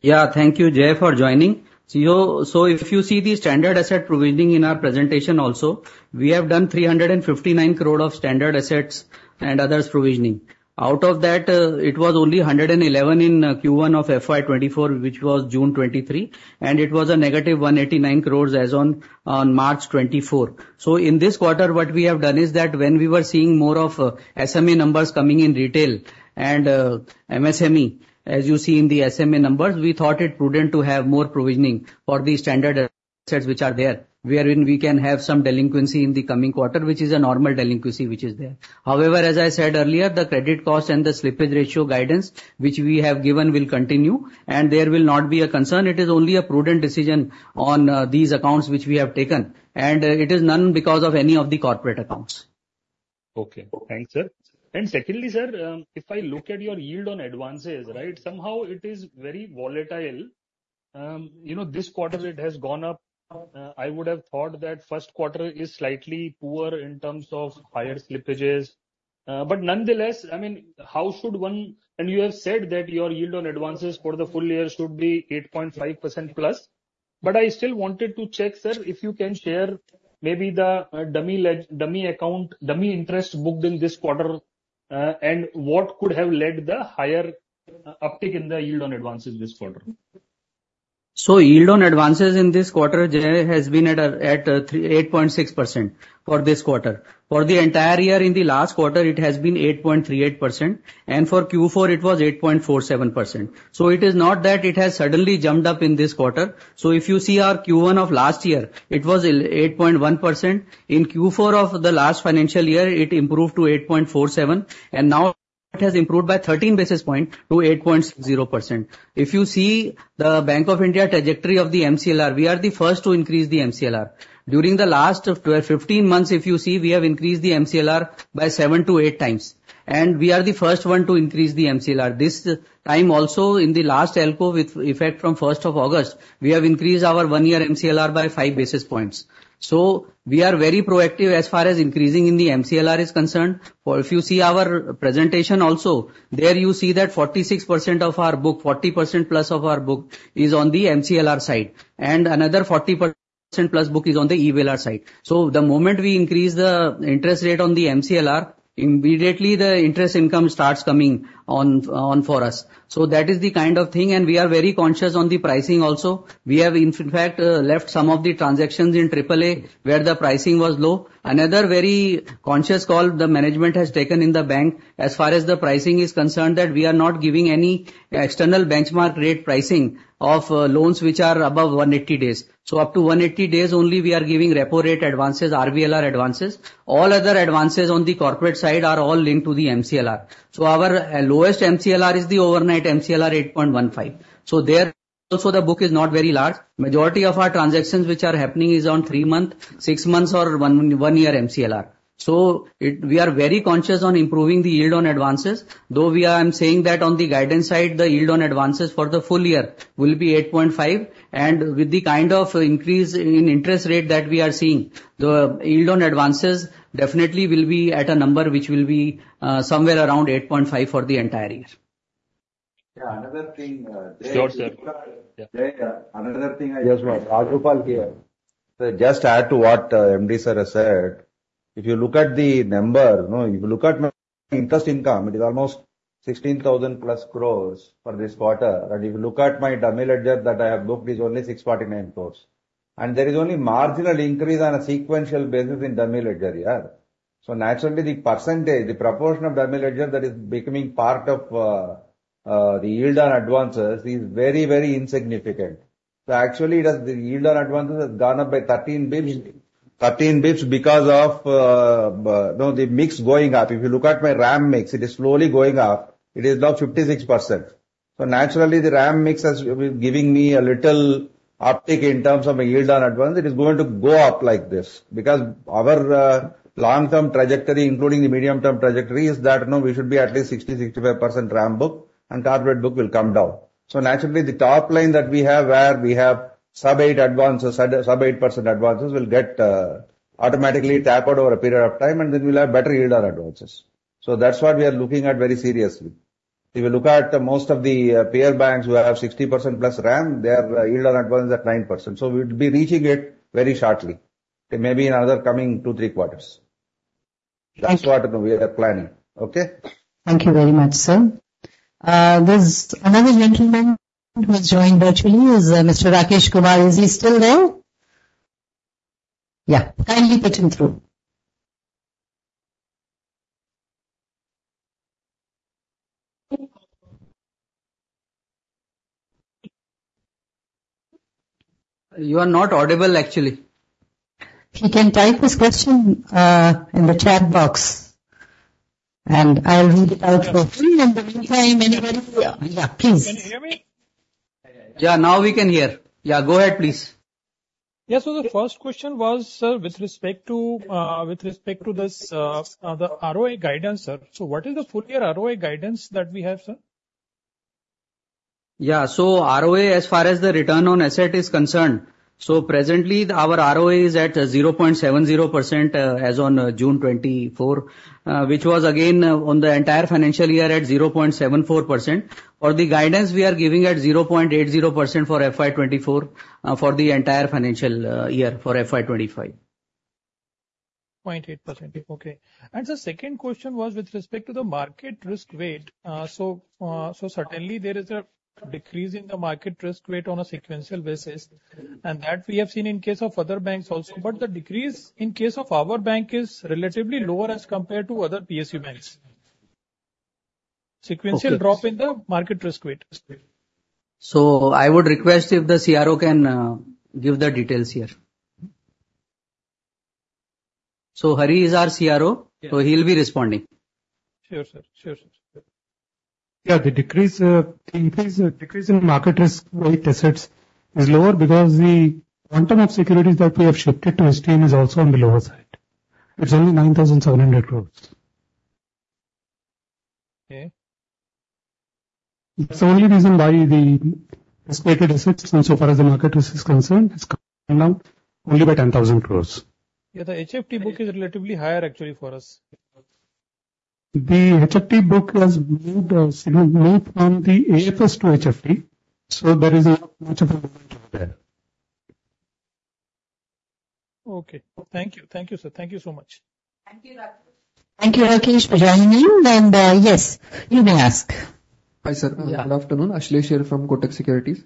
Yeah. Thank you, Jay, for joining. So if you see the standard asset provisioning in our presentation also, we have done 359 crore of standard assets and others provisioning. Out of that, it was only 111 in Q1 of FY 2024, which was June 2023, and it was a negative 189 crore as on March 2024. So in this quarter, what we have done is that when we were seeing more of SMA numbers coming in retail and MSME, as you see in the SMA numbers, we thought it prudent to have more provisioning for the standard assets which are there, wherein we can have some delinquency in the coming quarter, which is a normal delinquency, which is there. However, as I said earlier, the credit cost and the slippage ratio guidance, which we have given, will continue, and there will not be a concern. It is only a prudent decision on, these accounts which we have taken, and, it is none because of any of the corporate accounts. Okay. Thanks, sir. And secondly, sir, if I look at your yield on advances, right? Somehow it is very volatile, you know, this quarter it has gone up. I would have thought that first quarter is slightly poorer in terms of higher slippages. But nonetheless, I mean, how should one—and you have said that your yield on advances for the full year should be 8.5% plus. But I still wanted to check, sir, if you can share maybe the dummy ledger account, dummy interest booked in this quarter, and what could have led the higher uptick in the yield on advances this quarter? So yield on advances in this quarter generally has been at 8.6% for this quarter. For the entire year, in the last quarter it has been 8.38%, and for Q4 it was 8.47%. So it is not that it has suddenly jumped up in this quarter. So if you see our Q1 of last year, it was 8.1%. In Q4 of the last financial year, it improved to 8.47, and now it has improved by 13 basis points to 8.0%. If you see the Bank of India trajectory of the MCLR, we are the first to increase the MCLR. During the last 12-15 months, if you see, we have increased the MCLR by 7-8 times, and we are the first one to increase the MCLR. This time also in the last repo, with effect from first of August, we have increased our 1-year MCLR by 5 basis points. So we are very proactive as far as increasing in the MCLR is concerned. For if you see our presentation also, there you see that 46% of our book, 40%+ of our book is on the MCLR side, and another 40%+ book is on the EBLR side. So the moment we increase the interest rate on the MCLR, immediately the interest income starts coming on for us. So that is the kind of thing, and we are very conscious on the pricing also. We have, in fact, left some of the transactions in triple A, where the pricing was low. Another very conscious call the management has taken in the bank as far as the pricing is concerned, that we are not giving any external benchmark rate pricing of loans which are above 180 days. So up to 180 days only we are giving repo rate advances, EBLR advances. All other advances on the corporate side are all linked to the MCLR. So our lowest MCLR is the overnight MCLR, 8.15. So there also, the book is not very large. Majority of our transactions which are happening is on 3-month, 6 months or 1, 1-year MCLR. So we are very conscious on improving the yield on advances, though we are saying that on the guidance side, the yield on advances for the full year will be 8.5. With the kind of increase in interest rate that we are seeing, the yield on advances definitely will be at a number which will be somewhere around 8.5 for the entire year. Yeah, another thing, Sure, sir. J, another thing I- Yes, Rupaal here. So just add to what MD sir has said. If you look at the number, no, if you look at my interest income, it is almost 16,000 crore for this quarter. And if you look at my dummy ledger that I have booked, is only 649 crore, and there is only marginal increase on a sequential basis in dummy ledger year. So naturally, the percentage, the proportion of dummy ledger that is becoming part of the yield on advances is very, very insignificant. So actually, it has, the yield on advances has gone up by 13 basis points. 13 basis points because of you know, the mix going up. If you look at my RAM mix, it is slowly going up. It is now 56%. So naturally, the RAM mix has been giving me a little uptick in terms of my yield on advance. It is going to go up like this because our, long-term trajectory, including the medium-term trajectory, is that, you know, we should be at least 60, 65% RAM book, and corporate book will come down. So naturally, the top line that we have, where we have sub-8 advances, sub-8% advances, will get, automatically tapered over a period of time, and then we'll have better yield on advances. So that's what we are looking at very seriously. If you look at most of the, peer banks who have 60%+ RAM, their yield on advance is at 9%, so we'll be reaching it very shortly. It may be another coming 2, 3 quarters. That's what we are planning. Okay? Thank you very much, sir. There's another gentleman who has joined virtually, is Mr. Rakesh Kumar. Is he still there? Yeah, kindly put him through. You are not audible, actually. He can type his question in the chat box, and I'll read it out for him. In the meantime, anybody... Yeah. Yeah, please. Can you hear me? Yeah, now we can hear. Yeah, go ahead, please. Yes, so the first question was, sir, with respect to this, the ROA guidance, sir. So what is the full year ROA guidance that we have, sir? Yeah. So ROA, as far as the return on assets is concerned, so presently our ROA is at 0.70%, as on June 2024, which was again, on the entire financial year at 0.74%. For the guidance we are giving at 0.80% for FY 2024, for the entire financial, year for FY 2025. 0.8%. Okay. And the second question was with respect to the market risk weight. So certainly there is a decrease in the market risk weight on a sequential basis, and that we have seen in case of other banks also. But the decrease in case of our bank is relatively lower as compared to other PSU banks. Okay. Sequential drop in the market risk weights. I would request if the CRO can, give the details here. Hari is our CRO- Yeah. So he'll be responding. Sure, sir. Sure, sir. Yeah, the decrease in market risk weight assets is lower because the quantum of securities that we have shifted to HTM is also on the lower side. It's only 9,700 crore.... Okay. That's the only reason why the expected assets, so far as the market risk is concerned, has come down only by 10,000 crore. Yeah, the HFT book is relatively higher actually for us. The HFT book was moved from the AFS to HFT, so there is not much of a movement over there. Okay. Thank you. Thank you, sir. Thank you so much. Thank you, Rakesh. Thank you, Rakesh, for joining in. Yes, you may ask. Hi, sir. Yeah. Good afternoon, Ashlesh from Kotak Securities.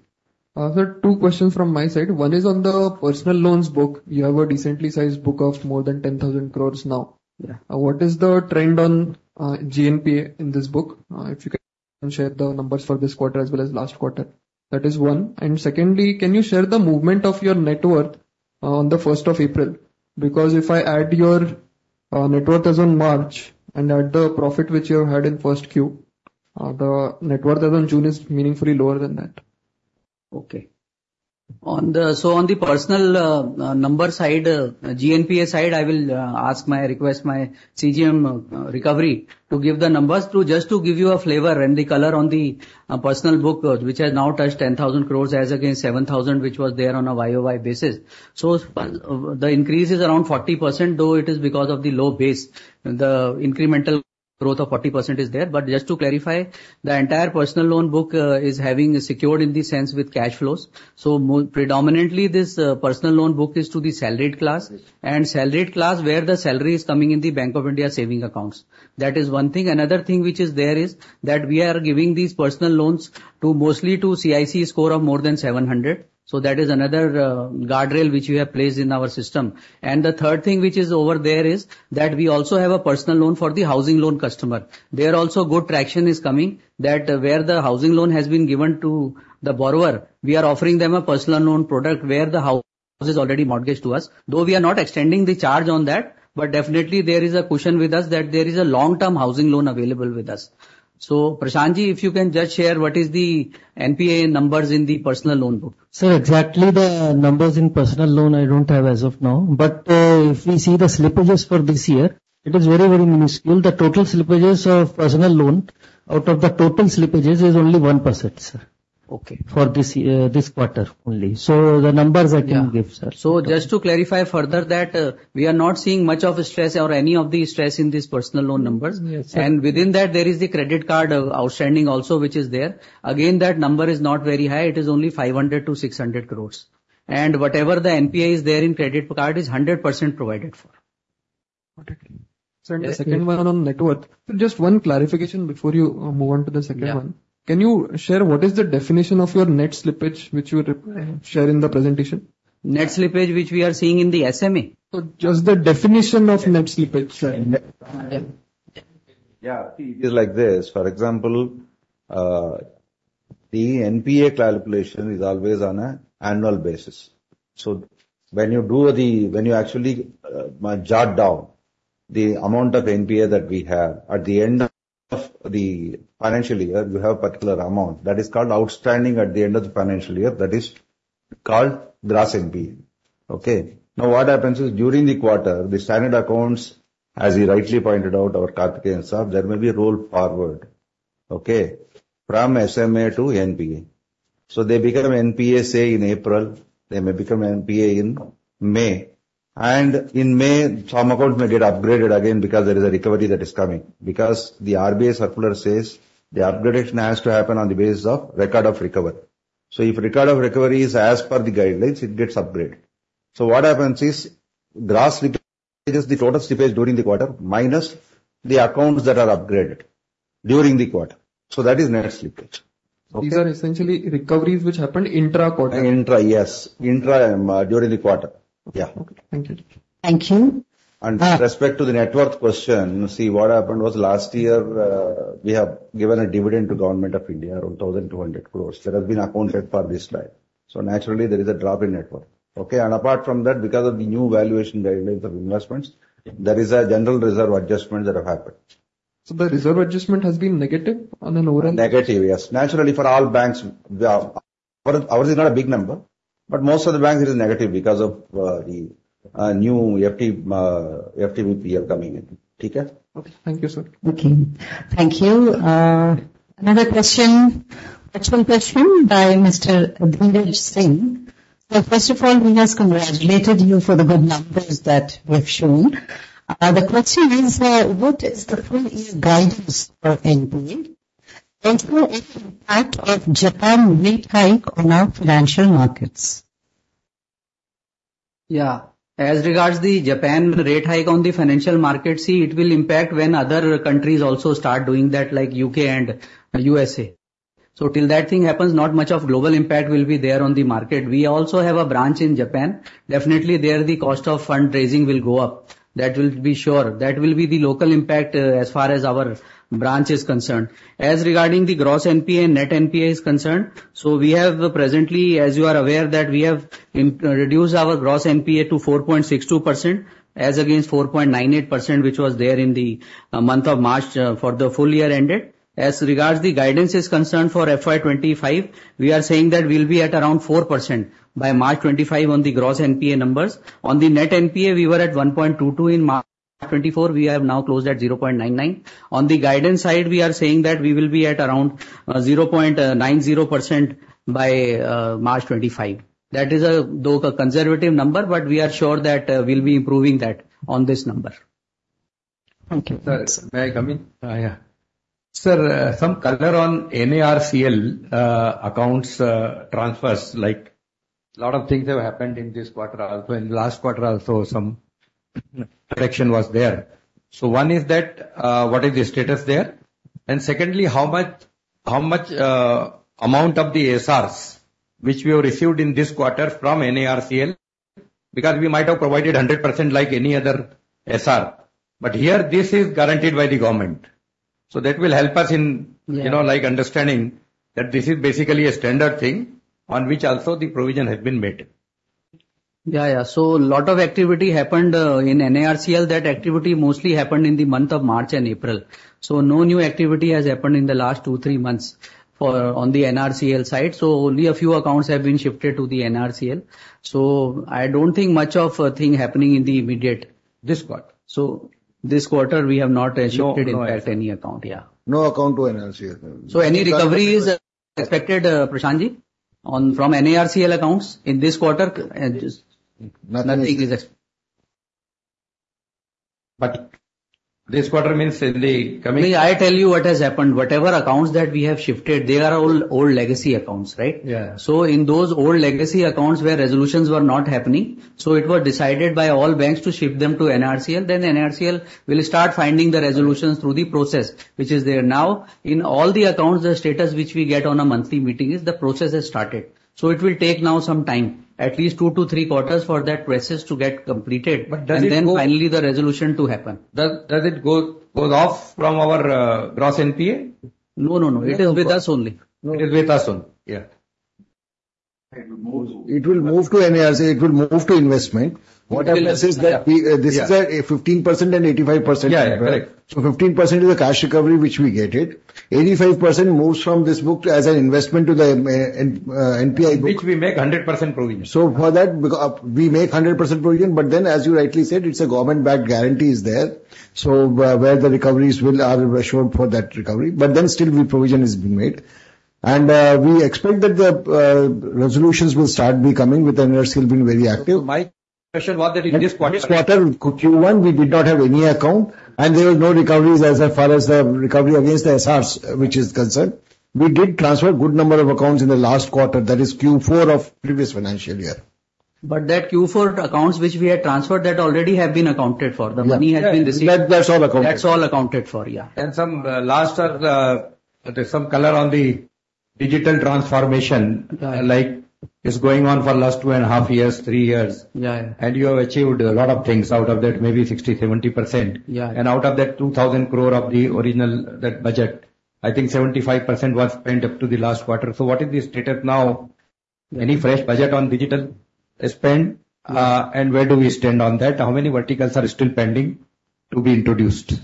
Sir, two questions from my side. One is on the personal loans book. You have a decently sized book of more than 10,000 crore now. Yeah. What is the trend on, GNPA in this book? If you can share the numbers for this quarter as well as last quarter. That is one. And secondly, can you share the movement of your net worth on the first of April? Because if I add your, net worth as on March and add the profit which you have had in first Q, the net worth as on June is meaningfully lower than that. Okay. On the personal number side, GNPA side, I will request my CGM recovery to give the numbers just to give you a flavor and the color on the personal book, which has now touched 10,000 crore as against 7,000 crore, which was there on a YOY basis. So the increase is around 40%, though it is because of the low base. The incremental growth of 40% is there. But just to clarify, the entire personal loan book is having secured in the sense with cash flows. So predominantly, this personal loan book is to the salaried class. And salaried class, where the salary is coming in the Bank of India savings accounts. That is one thing. Another thing which is there is that we are giving these personal loans to mostly to CIC score of more than 700. So that is another guardrail which we have placed in our system. And the third thing which is over there is that we also have a personal loan for the housing loan customer. There also, good traction is coming, that where the housing loan has been given to the borrower, we are offering them a personal loan product where the house is already mortgaged to us. Though we are not extending the charge on that, but definitely there is a cushion with us that there is a long-term housing loan available with us. So, Prashantji, if you can just share what is the NPA numbers in the personal loan book. Sir, exactly the numbers in personal loan, I don't have as of now. But, if we see the slippages for this year, it is very, very minuscule. The total slippages of personal loan out of the total slippages is only 1%, sir. Okay. For this year, this quarter only. So the numbers I can give, sir. Just to clarify further that we are not seeing much of a stress or any of the stress in these personal loan numbers. Yes, sir. Within that, there is the credit card outstanding also, which is there. Again, that number is not very high. It is only 500-600 crore. And whatever the NPA is there in credit card is 100% provided for. Got it. So the second one on net worth. So just one clarification before you move on to the second one. Yeah. Can you share what is the definition of your net slippage, which you were sharing in the presentation? Net slippage, which we are seeing in the SMA? Just the definition of net slippage, sir? Yeah, it is like this. For example, the NPA calculation is always on an annual basis. So when you actually jot down the amount of NPA that we have at the end of the financial year, you have a particular amount. That is called outstanding at the end of the financial year. That is called gross NPA. Okay? Now, what happens is, during the quarter, the standard accounts, as you rightly pointed out, our Karthikeyan sir, there may be a roll forward, okay, from SMA to NPA. So they become NPA, say, in April, they may become NPA in May. And in May, some accounts may get upgraded again because there is a recovery that is coming. Because the RBI circular says the upgradation has to happen on the basis of record of recovery. So if record of recovery is as per the guidelines, it gets upgraded. So what happens is, gross slippage is the total slippage during the quarter, minus the accounts that are upgraded during the quarter. So that is net slippage. These are essentially recoveries which happened intra-quarter? Intra, yes. Intra, during the quarter. Yeah. Okay. Thank you. Thank you. With respect to the net worth question, see, what happened was last year, we have given a dividend to Government of India, around 1,200 crore. That has been accounted for this slide. So naturally, there is a drop in net worth. Okay, and apart from that, because of the new valuation guidelines of investments, there is a general reserve adjustment that have happened. The reserve adjustment has been negative on an overall- Negative, yes. Naturally, for all banks, the... Ours is not a big number, but most of the banks, it is negative because of the new FVTPL coming in. Okay? Okay. Thank you, sir. Okay. Thank you. Another question, actual question by Mr. Dhiraj Singh. So first of all, he has congratulated you for the good numbers that you have shown. The question is, what is the full year guidance for NPA? Also, any impact of Japan rate hike on our financial markets? Yeah. As regards the Japan rate hike on the financial markets, see, it will impact when other countries also start doing that, like UK and USA. So till that thing happens, not much of global impact will be there on the market. We also have a branch in Japan. Definitely, there, the cost of fundraising will go up. That will be sure. That will be the local impact, as far as our branch is concerned. As regarding the Gross NPA and Net NPA is concerned, so we have presently, as you are aware, that we have reduced our Gross NPA to 4.62%, as against 4.98%, which was there in the month of March for the full year ended. As regards the guidance is concerned for FY 25, we are saying that we'll be at around 4% by March 2025 on the Gross NPA numbers. On the Net NPA, we were at 1.22 in March 2024, we have now closed at 0.99. On the guidance side, we are saying that we will be at around 0.90% by March 2025. That is though a conservative number, but we are sure that we'll be improving that on this number. Thank you. Sir, may I come in? Yeah. Sir, some color on NARCL, accounts, transfers, like a lot of things have happened in this quarter also. In last quarter also, some correction was there. So one is that, what is the status there? And secondly, how much, how much, amount of the SRs which we have received in this quarter from NARCL, because we might have provided 100% like any other SR. But here, this is guaranteed by the government. So that will help us in- Yeah. You know, like understanding that this is basically a standard thing on which also the provision has been made. Yeah, yeah. So lot of activity happened in NARCL. That activity mostly happened in the month of March and April. So no new activity has happened in the last two, three months for, on the NARCL side. So only a few accounts have been shifted to the NARCL. So I don't think much of a thing happening in the immediate. This quarter. This quarter we have not shifted in fact any account, yeah. No account to NARCL. So any recovery is expected, Prashantji, on from NARCL accounts in this quarter? Just- Nothing. Nothing is ex- But this quarter means in the coming- Me, I tell you what has happened. Whatever accounts that we have shifted, they are all old legacy accounts, right? Yeah. So in those old legacy accounts where resolutions were not happening, so it was decided by all banks to shift them to NARCL. Then NARCL will start finding the resolutions through the process, which is there now. In all the accounts, the status which we get on a monthly meeting is the process has started. So it will take now some time, at least 2-3 quarters, for that process to get completed- But does it go- And then finally the resolution to happen. Does it go off from our gross NPA? No, no, no. It is with us only. No, it is with us only. Yeah. It will move. It will move to NARCL, it will move to investment. Yeah. What happens is that we- Yeah. This is a 15% and 85%. Yeah, yeah, correct. Fifteen percent is a cash recovery, which we get it. 85% moves from this book as an investment to the NPA book. Which we make 100% provision. So for that, we make 100% provision, but then, as you rightly said, it's a government-backed guarantee is there. So where the recoveries will, are assured for that recovery, but then still the provision has been made. And, we expect that the resolutions will start coming with NARCL being very active. My question was that in this quarter- This quarter, Q1, we did not have any account, and there was no recoveries as far as the recovery against the SRs which is concerned. We did transfer good number of accounts in the last quarter, that is Q4 of previous financial year. But that Q4 accounts which we had transferred, that already have been accounted for. Yeah. The money has been received. That, that's all accounted. That's all accounted for, yeah. And some last color on the digital transformation- Yeah. Like, is going on for last 2.5 years, 3 years. Yeah, yeah. You have achieved a lot of things out of that, maybe 60, 70%. Yeah. Out of that 2,000 crore of the original, that budget, I think 75% was spent up to the last quarter. So what is the status now? Yeah. Any fresh budget on digital spend, and where do we stand on that? How many verticals are still pending to be introduced?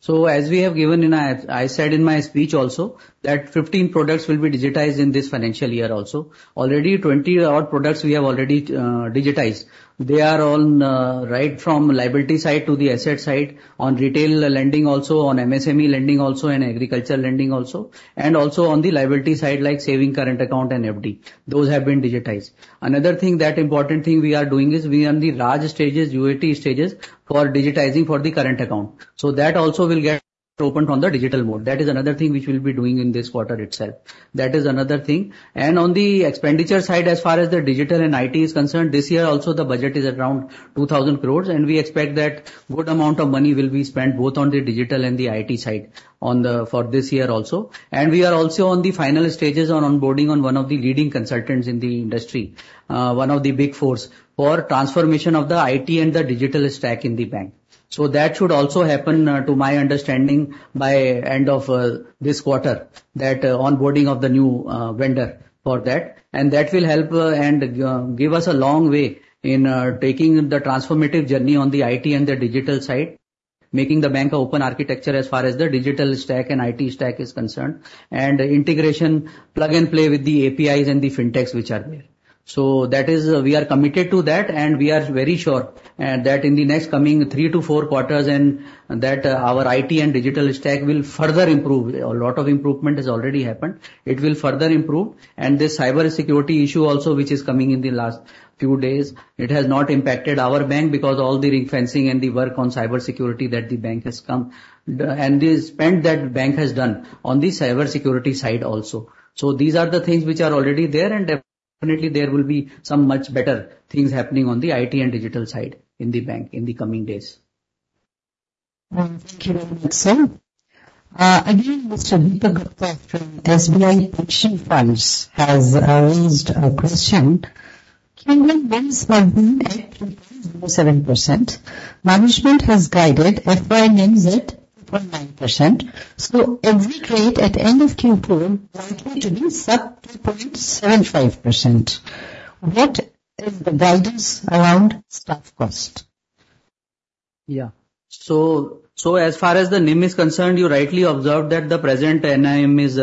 So as we have given in our I said in my speech also, that 15 products will be digitized in this financial year also. Already 20-odd products we have already digitized. They are all right from liability side to the asset side, on retail lending also, on MSME lending also and agriculture lending also, and also on the liability side, like saving current account and FD. Those have been digitized. Another thing that important thing we are doing is we are in the large stages, UAT stages, for digitizing for the current account. So that also will get opened on the digital mode. That is another thing. On the expenditure side, as far as the digital and IT is concerned, this year also, the budget is around 2,000 crore, and we expect that good amount of money will be spent both on the digital and the IT side on the, for this year also. And we are also on the final stages on onboarding on one of the leading consultants in the industry, one of the Big Four, for transformation of the IT and the digital stack in the bank. So that should also happen, to my understanding by end of, this quarter, that onboarding of the new, vendor for that. And that will help and give us a long way in taking the transformative journey on the IT and the digital side, making the bank open architecture as far as the digital stack and IT stack is concerned, and integration plug and play with the APIs and the Fintechs which are there. So that is, we are committed to that, and we are very sure that in the next coming 3-4 quarters and that our IT and digital stack will further improve. A lot of improvement has already happened. It will further improve. And this cybersecurity issue also, which is coming in the last few days, it has not impacted our bank, because all the reinforcement and the work on cybersecurity that the bank has done and the spend that bank has done on the cybersecurity side also. These are the things which are already there, and definitely there will be some much better things happening on the IT and digital side in the bank in the coming days. Thank you very much, sir. Again, Mr. Deepak Gupta from SBI Pension Funds has raised a question: Q1 base margin at 3.07%. Management has guided FY NIMs at 2.9%. So exit rate at end of Q4 likely to be sub 2.75%. What is the guidance around staff cost? Yeah. So as far as the NIM is concerned, you rightly observed that the present NIM is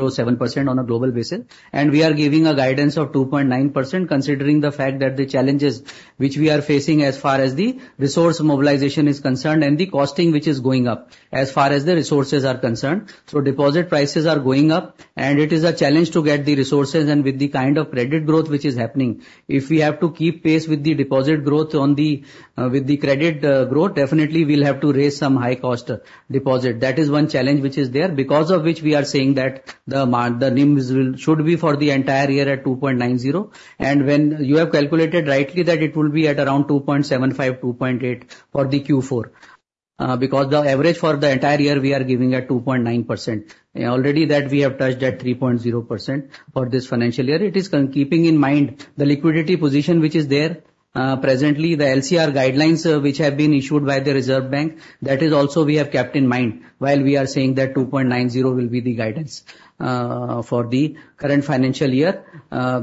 3.07% on a global basis, and we are giving a guidance of 2.9%, considering the fact that the challenges which we are facing as far as the resource mobilization is concerned and the costing, which is going up as far as the resources are concerned. So deposit prices are going up, and it is a challenge to get the resources and with the kind of credit growth which is happening. If we have to keep pace with the deposit growth with the credit growth, definitely we'll have to raise some high cost deposit. That is one challenge which is there, because of which we are saying that the NIMs should be for the entire year at 2.90%. And when you have calculated rightly, that it will be at around 2.75-2.80% for the Q4, because the average for the entire year, we are giving at 2.9%. Already that we have touched at 3.0% for this financial year. It is keeping in mind the liquidity position which is there, presently, the LCR guidelines, which have been issued by the Reserve Bank, that is also we have kept in mind while we are saying that 2.90% will be the guidance, for the current financial year,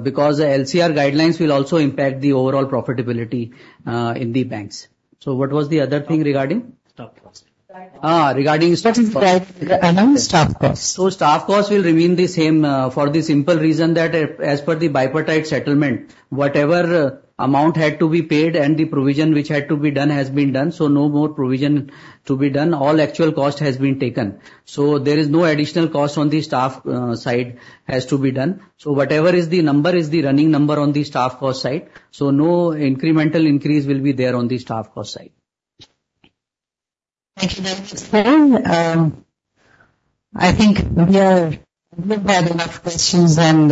because the LCR guidelines will also impact the overall profitability, in the banks. What was the other thing regarding? Staff costs. Ah, regarding staff costs. Announced staff costs. So staff costs will remain the same for the simple reason that as per the bipartite settlement, whatever amount had to be paid and the provision which had to be done has been done, so no more provision to be done. All actual cost has been taken. So there is no additional cost on the staff side has to be done. So whatever is the number is the running number on the staff cost side, so no incremental increase will be there on the staff cost side. Thank you, that's fine. I think we are, we've had enough questions and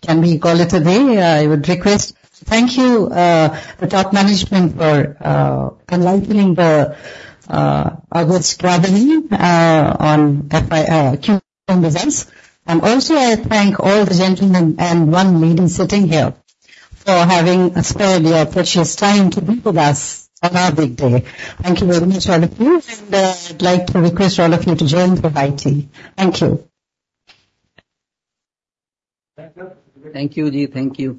can we call it a day? I would request. Thank you, the top management for enlightening the our good strategy on FY Q1 results. And also, I thank all the gentlemen and one lady sitting here for having spared your precious time to be with us on our big day. Thank you very much, all of you, and I'd like to request all of you to join for high tea. Thank you. Thank you. Thank you.